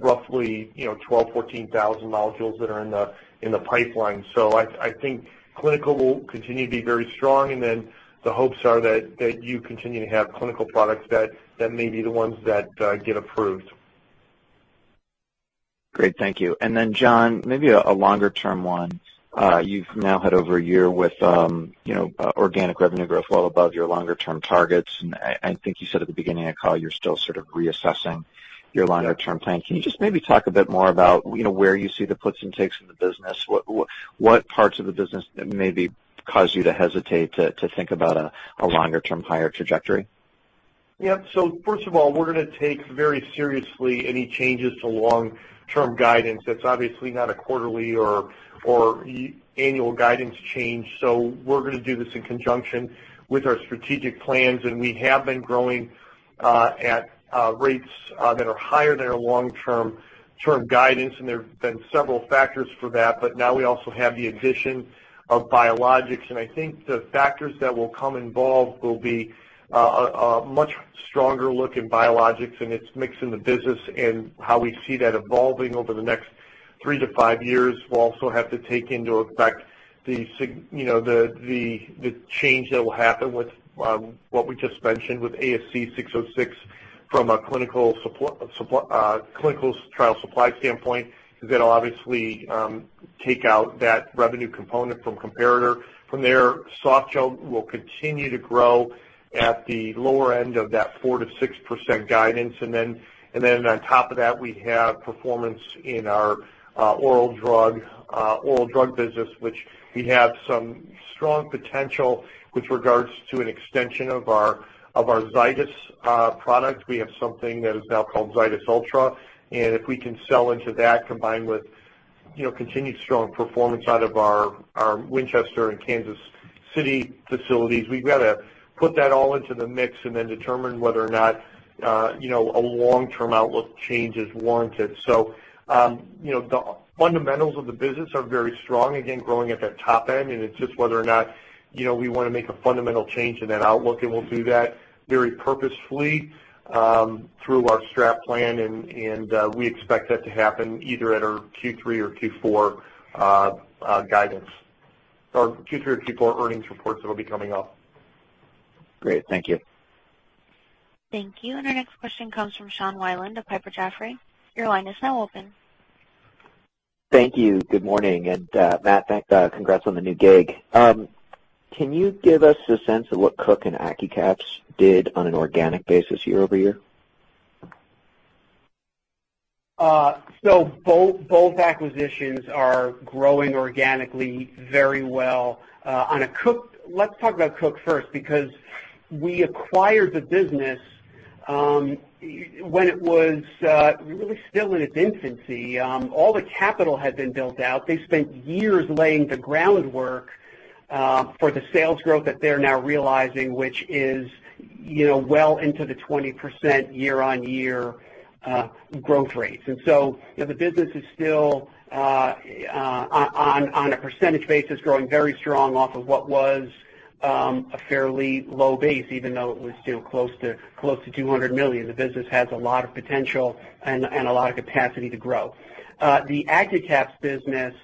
roughly 12,000, 14,000 molecules that are in the pipeline, so I think clinical will continue to be very strong, and then the hopes are that you continue to have clinical products that may be the ones that get approved. Great. Thank you, and then, John, maybe a longer-term one. You've now had over a year with organic revenue growth well above your longer-term targets, and I think you said at the beginning of the call you're still sort of reassessing your longer-term plan. Can you just maybe talk a bit more about where you see the puts and takes in the business? What parts of the business maybe cause you to hesitate to think about a longer-term higher trajectory? Yep, so first of all, we're going to take very seriously any changes to long-term guidance. That's obviously not a quarterly or annual guidance change. So we're going to do this in conjunction with our strategic plans. And we have been growing at rates that are higher than our long-term guidance. And there have been several factors for that. But now we also have the addition of biologics. And I think the factors that will come involved will be a much stronger look in biologics and its mix in the business and how we see that evolving over the next three to five years. We'll also have to take into effect the change that will happen with what we just mentioned with ASC 606 from a clinical trial supply standpoint because that'll obviously take out that revenue component from comparator. From there, Softgel will continue to grow at the lower end of that 4%-6% guidance. Then on top of that, we have performance in our oral drug business, which we have some strong potential with regards to an extension of our Zydis product. We have something that is now called Zydis Ultra. If we can sell into that combined with continued strong performance out of our Winchester and Kansas City facilities, we've got to put that all into the mix and then determine whether or not a long-term outlook change is warranted. The fundamentals of the business are very strong. Again, growing at that top end. It's just whether or not we want to make a fundamental change in that outlook. We'll do that very purposefully through our strat plan. We expect that to happen either at our Q3 or Q4 guidance or Q3 or Q4 earnings reports that will be coming up. Great. Thank you. Thank you. Our next question comes from Sean Wieland of Piper Jaffray. Your line is now open. Thank you. Good morning. And Matt, congrats on the new gig. Can you give us a sense of what Cook and Accucaps did on an organic basis year over year? So both acquisitions are growing organically very well. Let's talk about Cook first because we acquired the business when it was really still in its infancy. All the capital had been built out. They spent years laying the groundwork for the sales growth that they're now realizing, which is well into the 20% year-on-year growth rates. And so the business is still on a percentage basis growing very strong off of what was a fairly low base, even though it was close to $200 million. The business has a lot of potential and a lot of capacity to grow. The Accucaps business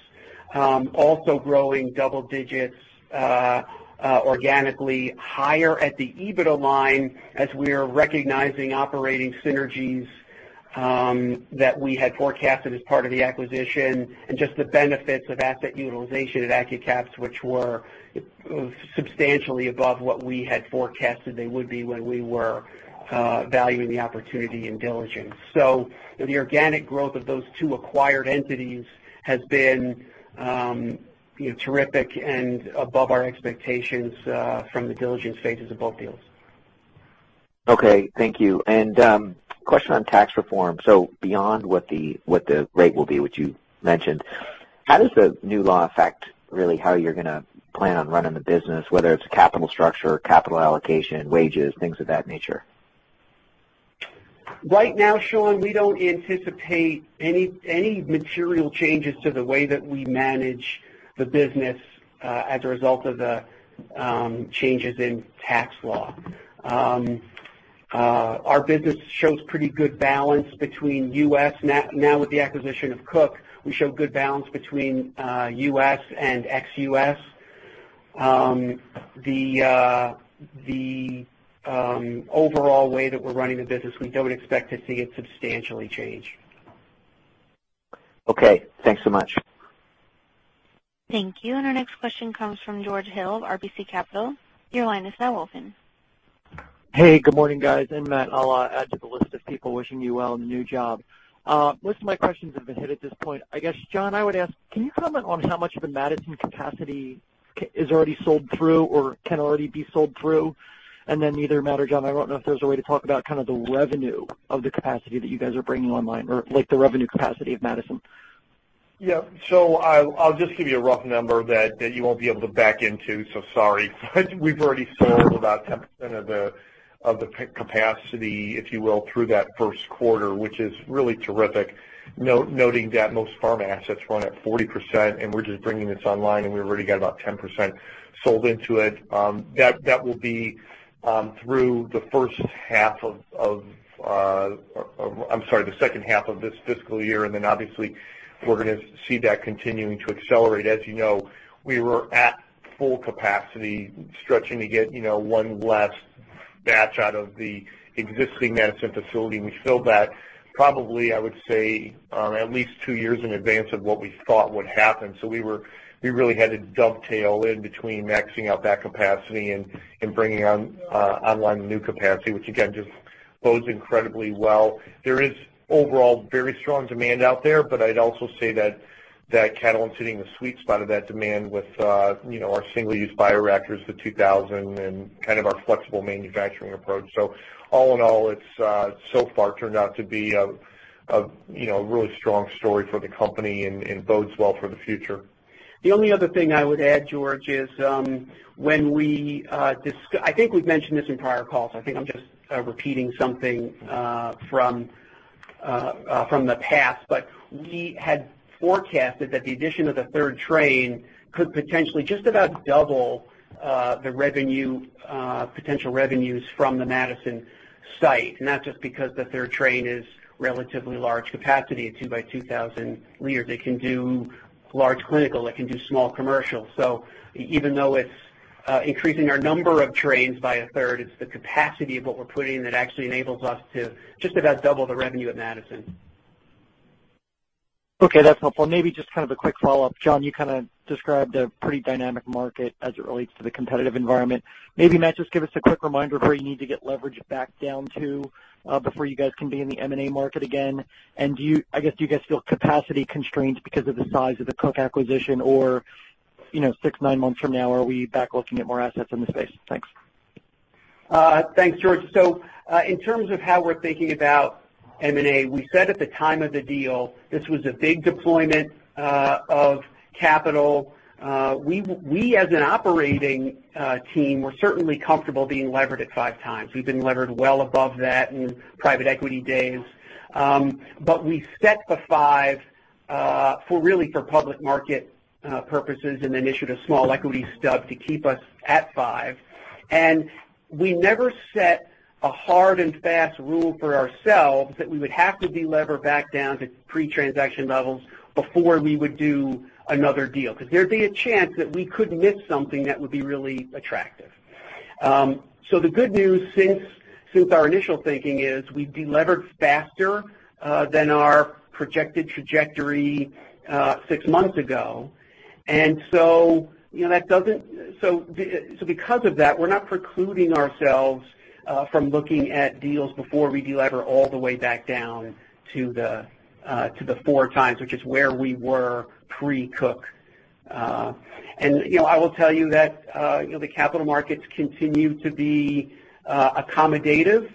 also growing double digits organically higher at the EBITDA line as we are recognizing operating synergies that we had forecasted as part of the acquisition and just the benefits of asset utilization at Accucaps, which were substantially above what we had forecasted they would be when we were valuing the opportunity and diligence. So the organic growth of those two acquired entities has been terrific and above our expectations from the diligence phases of both deals. Okay. Thank you. And question on tax reform. So beyond what the rate will be, which you mentioned, how does the new law affect really how you're going to plan on running the business, whether it's capital structure, capital allocation, wages, things of that nature? Right now, Sean, we don't anticipate any material changes to the way that we manage the business as a result of the changes in tax law. Our business shows pretty good balance between U.S. Now, with the acquisition of Cook, we show good balance between U.S. and ex-U.S. The overall way that we're running the business, we don't expect to see it substantially change. Okay. Thanks so much. Thank you. And our next question comes from George Hill of RBC Capital. Your line is now open. Hey. Good morning, guys. I'm Matt. I'll add to the list of people wishing you well in the new job. Most of my questions have been hit at this point. I guess, John, I would ask, can you comment on how much of the Madison capacity is already sold through or can already be sold through? And then, neither Matt nor John, I don't know if there's a way to talk about kind of the revenue of the capacity that you guys are bringing online or the revenue capacity of Madison. Yep. So I'll just give you a rough number that you won't be able to back into. So sorry. But we've already sold about 10% of the capacity, if you will, through that first quarter, which is really terrific. Noting that most pharma assets run at 40%, and we're just bringing this online, and we've already got about 10% sold into it. That will be through the first half of—I'm sorry, the second half of this fiscal year. And then obviously, we're going to see that continuing to accelerate. As you know, we were at full capacity, stretching to get one last batch out of the existing Madison facility. We filled that probably, I would say, at least two years in advance of what we thought would happen, so we really had to dovetail in between maxing out that capacity and bringing online the new capacity, which again, just bodes incredibly well. There is overall very strong demand out there, but I'd also say that Catalent's hitting the sweet spot of that demand with our single-use bioreactors, the 2000, and kind of our flexible manufacturing approach, so all in all, it's so far turned out to be a really strong story for the company and bodes well for the future. The only other thing I would add, George, is when we, I think we've mentioned this in prior calls. I think I'm just repeating something from the past. But we had forecasted that the addition of the third train could potentially just about double the revenue, potential revenues from the Madison site. And that's just because the third train is relatively large capacity, a 2x2,000 liters. It can do large clinical. It can do small commercial. So even though it's increasing our number of trains by a third, it's the capacity of what we're putting in that actually enables us to just about double the revenue at Madison. Okay. That's helpful. Maybe just kind of a quick follow-up. John, you kind of described a pretty dynamic market as it relates to the competitive environment. Maybe, Matt, just give us a quick reminder of where you need to get leverage back down to before you guys can be in the M&A market again. And I guess, do you guys feel capacity constraints because of the size of the Cook acquisition, or six, nine months from now, are we back looking at more assets in the space? Thanks. Thanks, George. So in terms of how we're thinking about M&A, we said at the time of the deal, this was a big deployment of capital. We, as an operating team, were certainly comfortable being levered at five times. We've been levered well above that in private equity days. But we set the five really for public market purposes and then issued a small equity stub to keep us at five. And we never set a hard and fast rule for ourselves that we would have to be levered back down to pre-transaction levels before we would do another deal because there'd be a chance that we could miss something that would be really attractive. So the good news since our initial thinking is we'd be levered faster than our projected trajectory six months ago. And so because of that, we're not precluding ourselves from looking at deals before we delever all the way back down to the four times, which is where we were pre-Cook. And I will tell you that the capital markets continue to be accommodative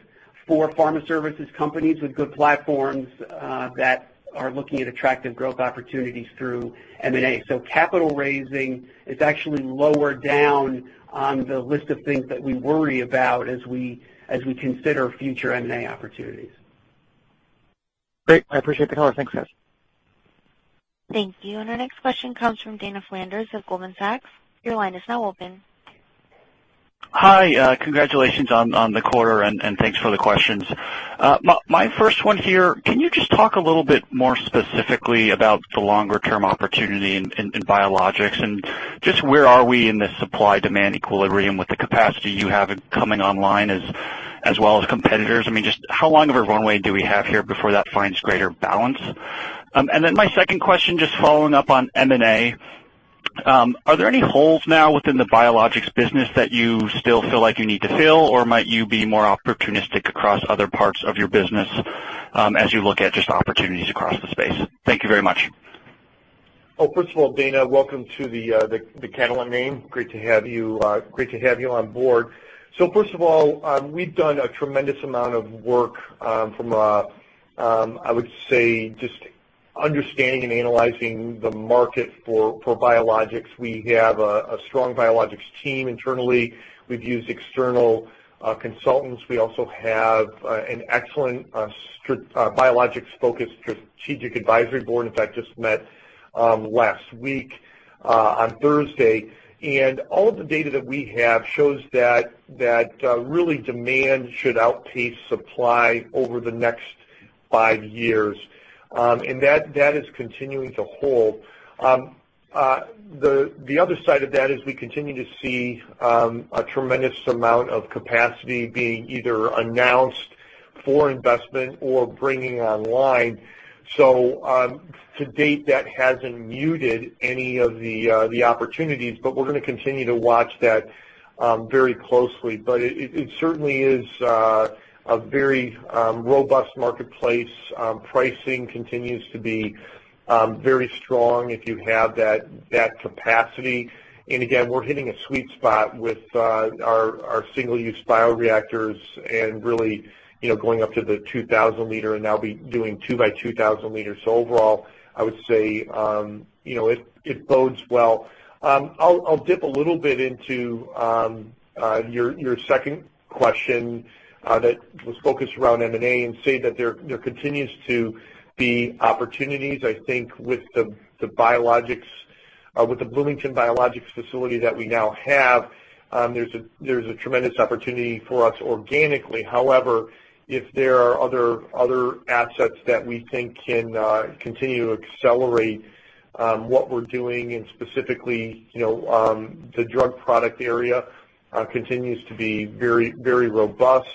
for pharma services companies with good platforms that are looking at attractive growth opportunities through M&A. So capital raising is actually lower down on the list of things that we worry about as we consider future M&A opportunities. Great. I appreciate the color. Thanks, guys. Thank you. And our next question comes from Dana Flanders of Goldman Sachs. Your line is now open. Hi. Congratulations on the quarter, and thanks for the questions. My first one here, can you just talk a little bit more specifically about the longer-term opportunity in biologics and just where are we in the supply-demand equilibrium with the capacity you have coming online as well as competitors? I mean, just how long of a runway do we have here before that finds greater balance? And then my second question, just following up on M&A, are there any holes now within the biologics business that you still feel like you need to fill, or might you be more opportunistic across other parts of your business as you look at just opportunities across the space? Thank you very much. Well, first of all, Dana, welcome to the Catalent call. Great to have you on board. So first of all, we've done a tremendous amount of work from, I would say, just understanding and analyzing the market for biologics. We have a strong biologics team internally. We've used external consultants. We also have an excellent biologics-focused strategic advisory board. In fact, just met last week on Thursday. And all of the data that we have shows that really demand should outpace supply over the next five years. And that is continuing to hold. The other side of that is we continue to see a tremendous amount of capacity being either announced for investment or bringing online. So to date, that hasn't muted any of the opportunities, but we're going to continue to watch that very closely. But it certainly is a very robust marketplace. Pricing continues to be very strong if you have that capacity. And again, we're hitting a sweet spot with our single-use bioreactors and really going up to the 2,000-liter and now be doing 2x2,000 liters. So overall, I would say it bodes well. I'll dip a little bit into your second question that was focused around M&A and say that there continues to be opportunities. I think with the Bloomington Biologics facility that we now have, there's a tremendous opportunity for us organically. However, if there are other assets that we think can continue to accelerate what we're doing, and specifically the drug product area continues to be very robust,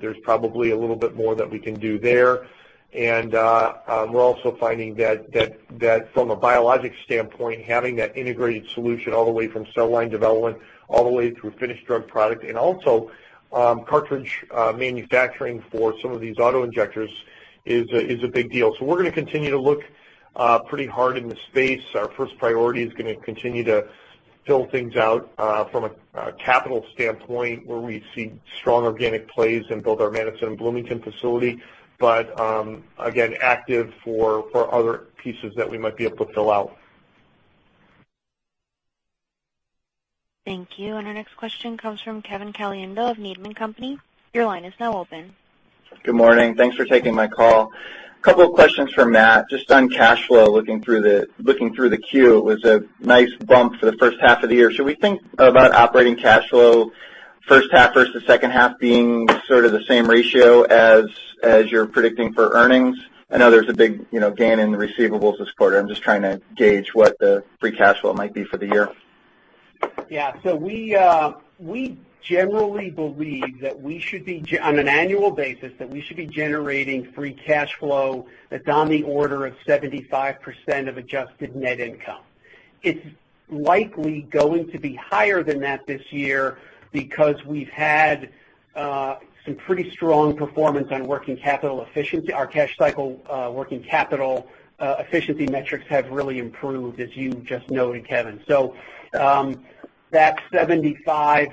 there's probably a little bit more that we can do there. And we're also finding that from a biologics standpoint, having that integrated solution all the way from cell line development all the way through finished drug product and also cartridge manufacturing for some of these autoinjectors is a big deal. So we're going to continue to look pretty hard in the space. Our first priority is going to continue to fill things out from a capital standpoint where we see strong organic plays and build our Madison and Bloomington facility. But again, acquisitive for other pieces that we might be able to fill out. Thank you. And our next question comes from Kevin Caliendo of Needham & Company. Your line is now open. Good morning. Thanks for taking my call. A couple of questions for Matt. Just on cash flow, looking through the queue, it was a nice bump for the first half of the year. Should we think about operating cash flow, first half versus second half being sort of the same ratio as you're predicting for earnings? I know there's a big gain in receivables this quarter. I'm just trying to gauge what the free cash flow might be for the year. So we generally believe that we should be, on an annual basis, that we should be generating free cash flow that's on the order of 75% of adjusted net income. It's likely going to be higher than that this year because we've had some pretty strong performance on working capital efficiency. Our cash cycle working capital efficiency metrics have really improved, as you just noted, Kevin. So that 75%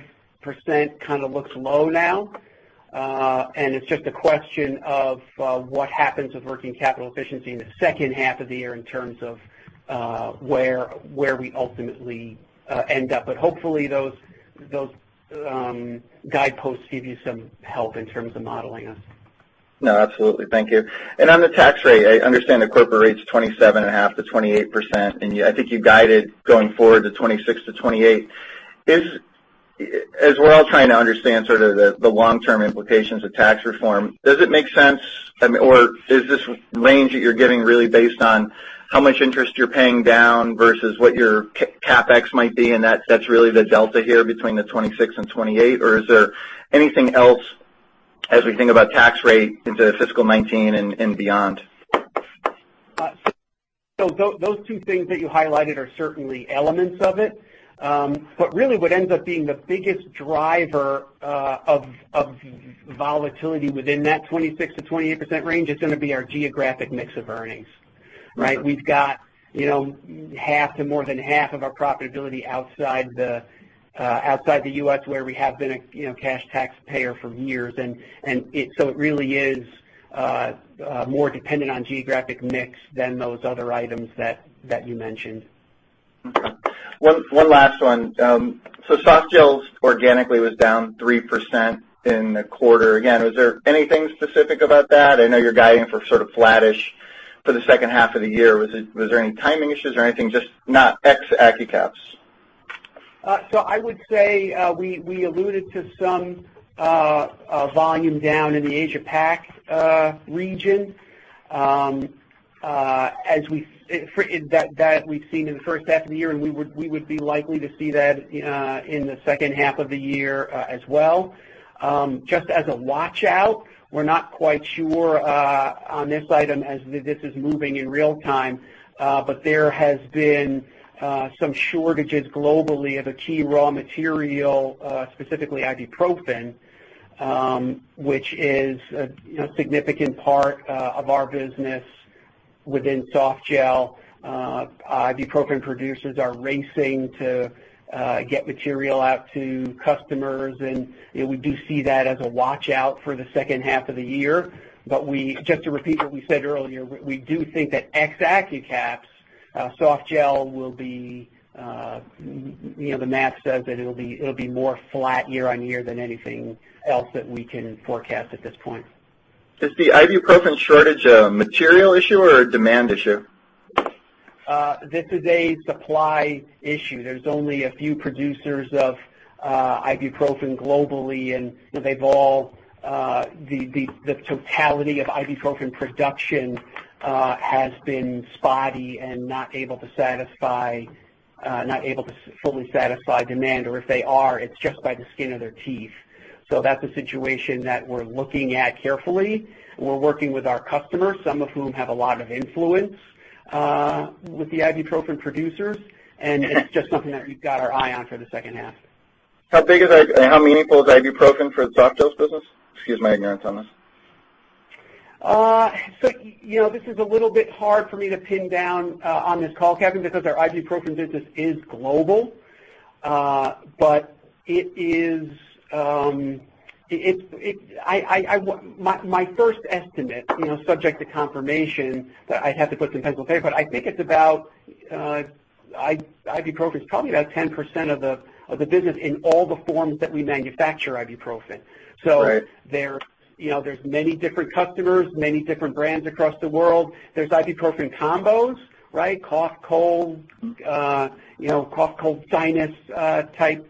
kind of looks low now. And it's just a question of what happens with working capital efficiency in the second half of the year in terms of where we ultimately end up. But hopefully, those guideposts give you some help in terms of modeling us. No, absolutely. Thank you. And on the tax rate, I understand the corporate rate's 27.5%-28%. And I think you guided going forward to 26%-28%. As we're all trying to understand sort of the long-term implications of tax reform, does it make sense? Or is this range that you're giving really based on how much interest you're paying down versus what your CapEx might be? And that's really the delta here between the 26% and 28%? Or is there anything else as we think about tax rate into fiscal 2019 and beyond? So those two things that you highlighted are certainly elements of it. But really, what ends up being the biggest driver of volatility within that 26%-28% range is going to be our geographic mix of earnings, right? We've got half to more than half of our profitability outside the U.S. where we have been a cash taxpayer for years. And so it really is more dependent on geographic mix than those other items that you mentioned. Okay. One last one. Softgel's organically was down 3% in the quarter. Again, was there anything specific about that? I know you're guiding for sort of flattish for the second half of the year. Was there any timing issues or anything, just not ex-Accucaps? So I would say we alluded to some volume down in the Asia-Pacific region as we've seen in the first half of the year. And we would be likely to see that in the second half of the year as well. Just as a watch-out, we're not quite sure on this item as this is moving in real time. But there has been some shortages globally of a key raw material, specifically ibuprofen, which is a significant part of our business within Softgel. Ibuprofen producers are racing to get material out to customers. And we do see that as a watch-out for the second half of the year. But just to repeat what we said earlier, we do think that ex-Accucaps, softgel will be. The math says that it'll be more flat year on year than anything else that we can forecast at this point. Is the ibuprofen shortage a material issue or a demand issue? This is a supply issue. There's only a few producers of ibuprofen globally. And they've all the totality of ibuprofen production has been spotty and not able to fully satisfy demand. Or if they are, it's just by the skin of their teeth. So that's a situation that we're looking at carefully. We're working with our customers, some of whom have a lot of influence with the ibuprofen producers. And it's just something that we've got our eye on for the second half. How big is or how meaningful is ibuprofen for softgel's business? Excuse my ignorance on this. So this is a little bit hard for me to pin down on this call, Kevin, because our ibuprofen business is global. But it is my first estimate, subject to confirmation, that I'd have to put some pencil to paper. But I think it's about ibuprofen's probably about 10% of the business in all the forms that we manufacture ibuprofen. So there's many different customers, many different brands across the world. There's ibuprofen combos, right? Cough, cold, cough, cold, sinus-type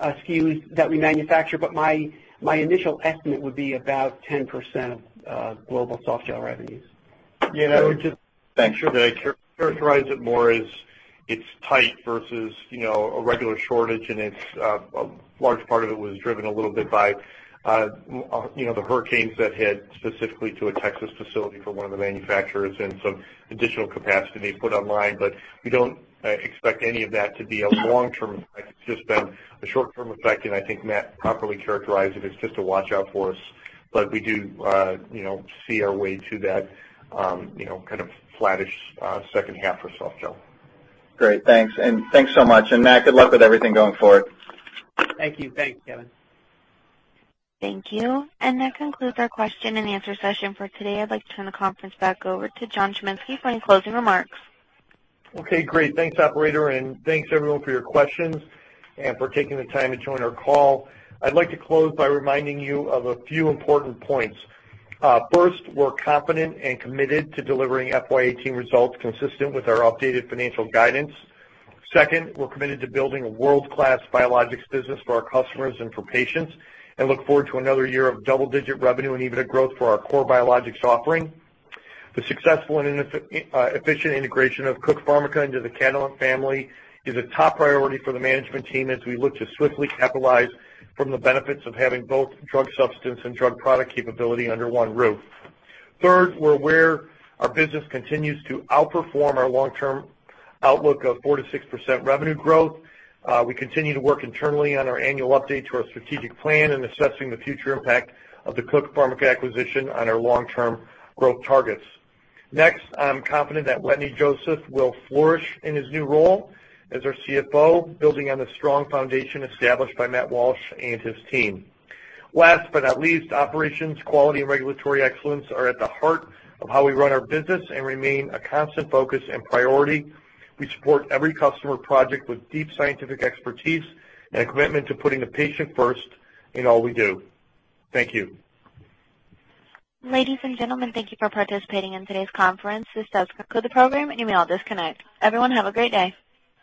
SKUs that we manufacture. But my initial estimate would be about 10% of global softgel revenues. Yeah. Thanks. Should I characterize it more as it's tight versus a regular shortage? And a large part of it was driven a little bit by the hurricanes that hit specifically to a Texas facility for one of the manufacturers and some additional capacity they put online. But we don't expect any of that to be a long-term effect. It's just been a short-term effect. And I think Matt properly characterized it as just a watch-out for us. But we do see our way to that kind of flattish second half for Softgel. Great. Thanks. And thanks so much. And Matt, good luck with everything going forward. Thank you. Thanks, Kevin. Thank you. And that concludes our question and answer session for today. I'd like to turn the conference back over to John Chiminski for any closing remarks. Okay. Great. Thanks, operator. And thanks, everyone, for your questions and for taking the time to join our call. I'd like to close by reminding you of a few important points. First, we're confident and committed to delivering FY18 results consistent with our updated financial guidance. Second, we're committed to building a world-class biologics business for our customers and for patients and look forward to another year of double-digit revenue and EBITDA growth for our core biologics offering. The successful and efficient integration of Cook Pharmica into the Catalent family is a top priority for the management team as we look to swiftly capitalize on the benefits of having both drug substance and drug product capability under one roof. Third, we're aware our business continues to outperform our long-term outlook of 4%-6% revenue growth. We continue to work internally on our annual update to our strategic plan and assessing the future impact of the Cook Pharmica acquisition on our long-term growth targets. Next, I'm confident that Wetteny Joseph will flourish in his new role as our CFO, building on the strong foundation established by Matt Walsh and his team. Last but not least, operations, quality, and regulatory excellence are at the heart of how we run our business and remain a constant focus and priority. We support every customer project with deep scientific expertise and a commitment to putting the patient first in all we do. Thank you. Ladies and gentlemen, thank you for participating in today's conference. This does conclude the program, and you may all disconnect. Everyone, have a great day.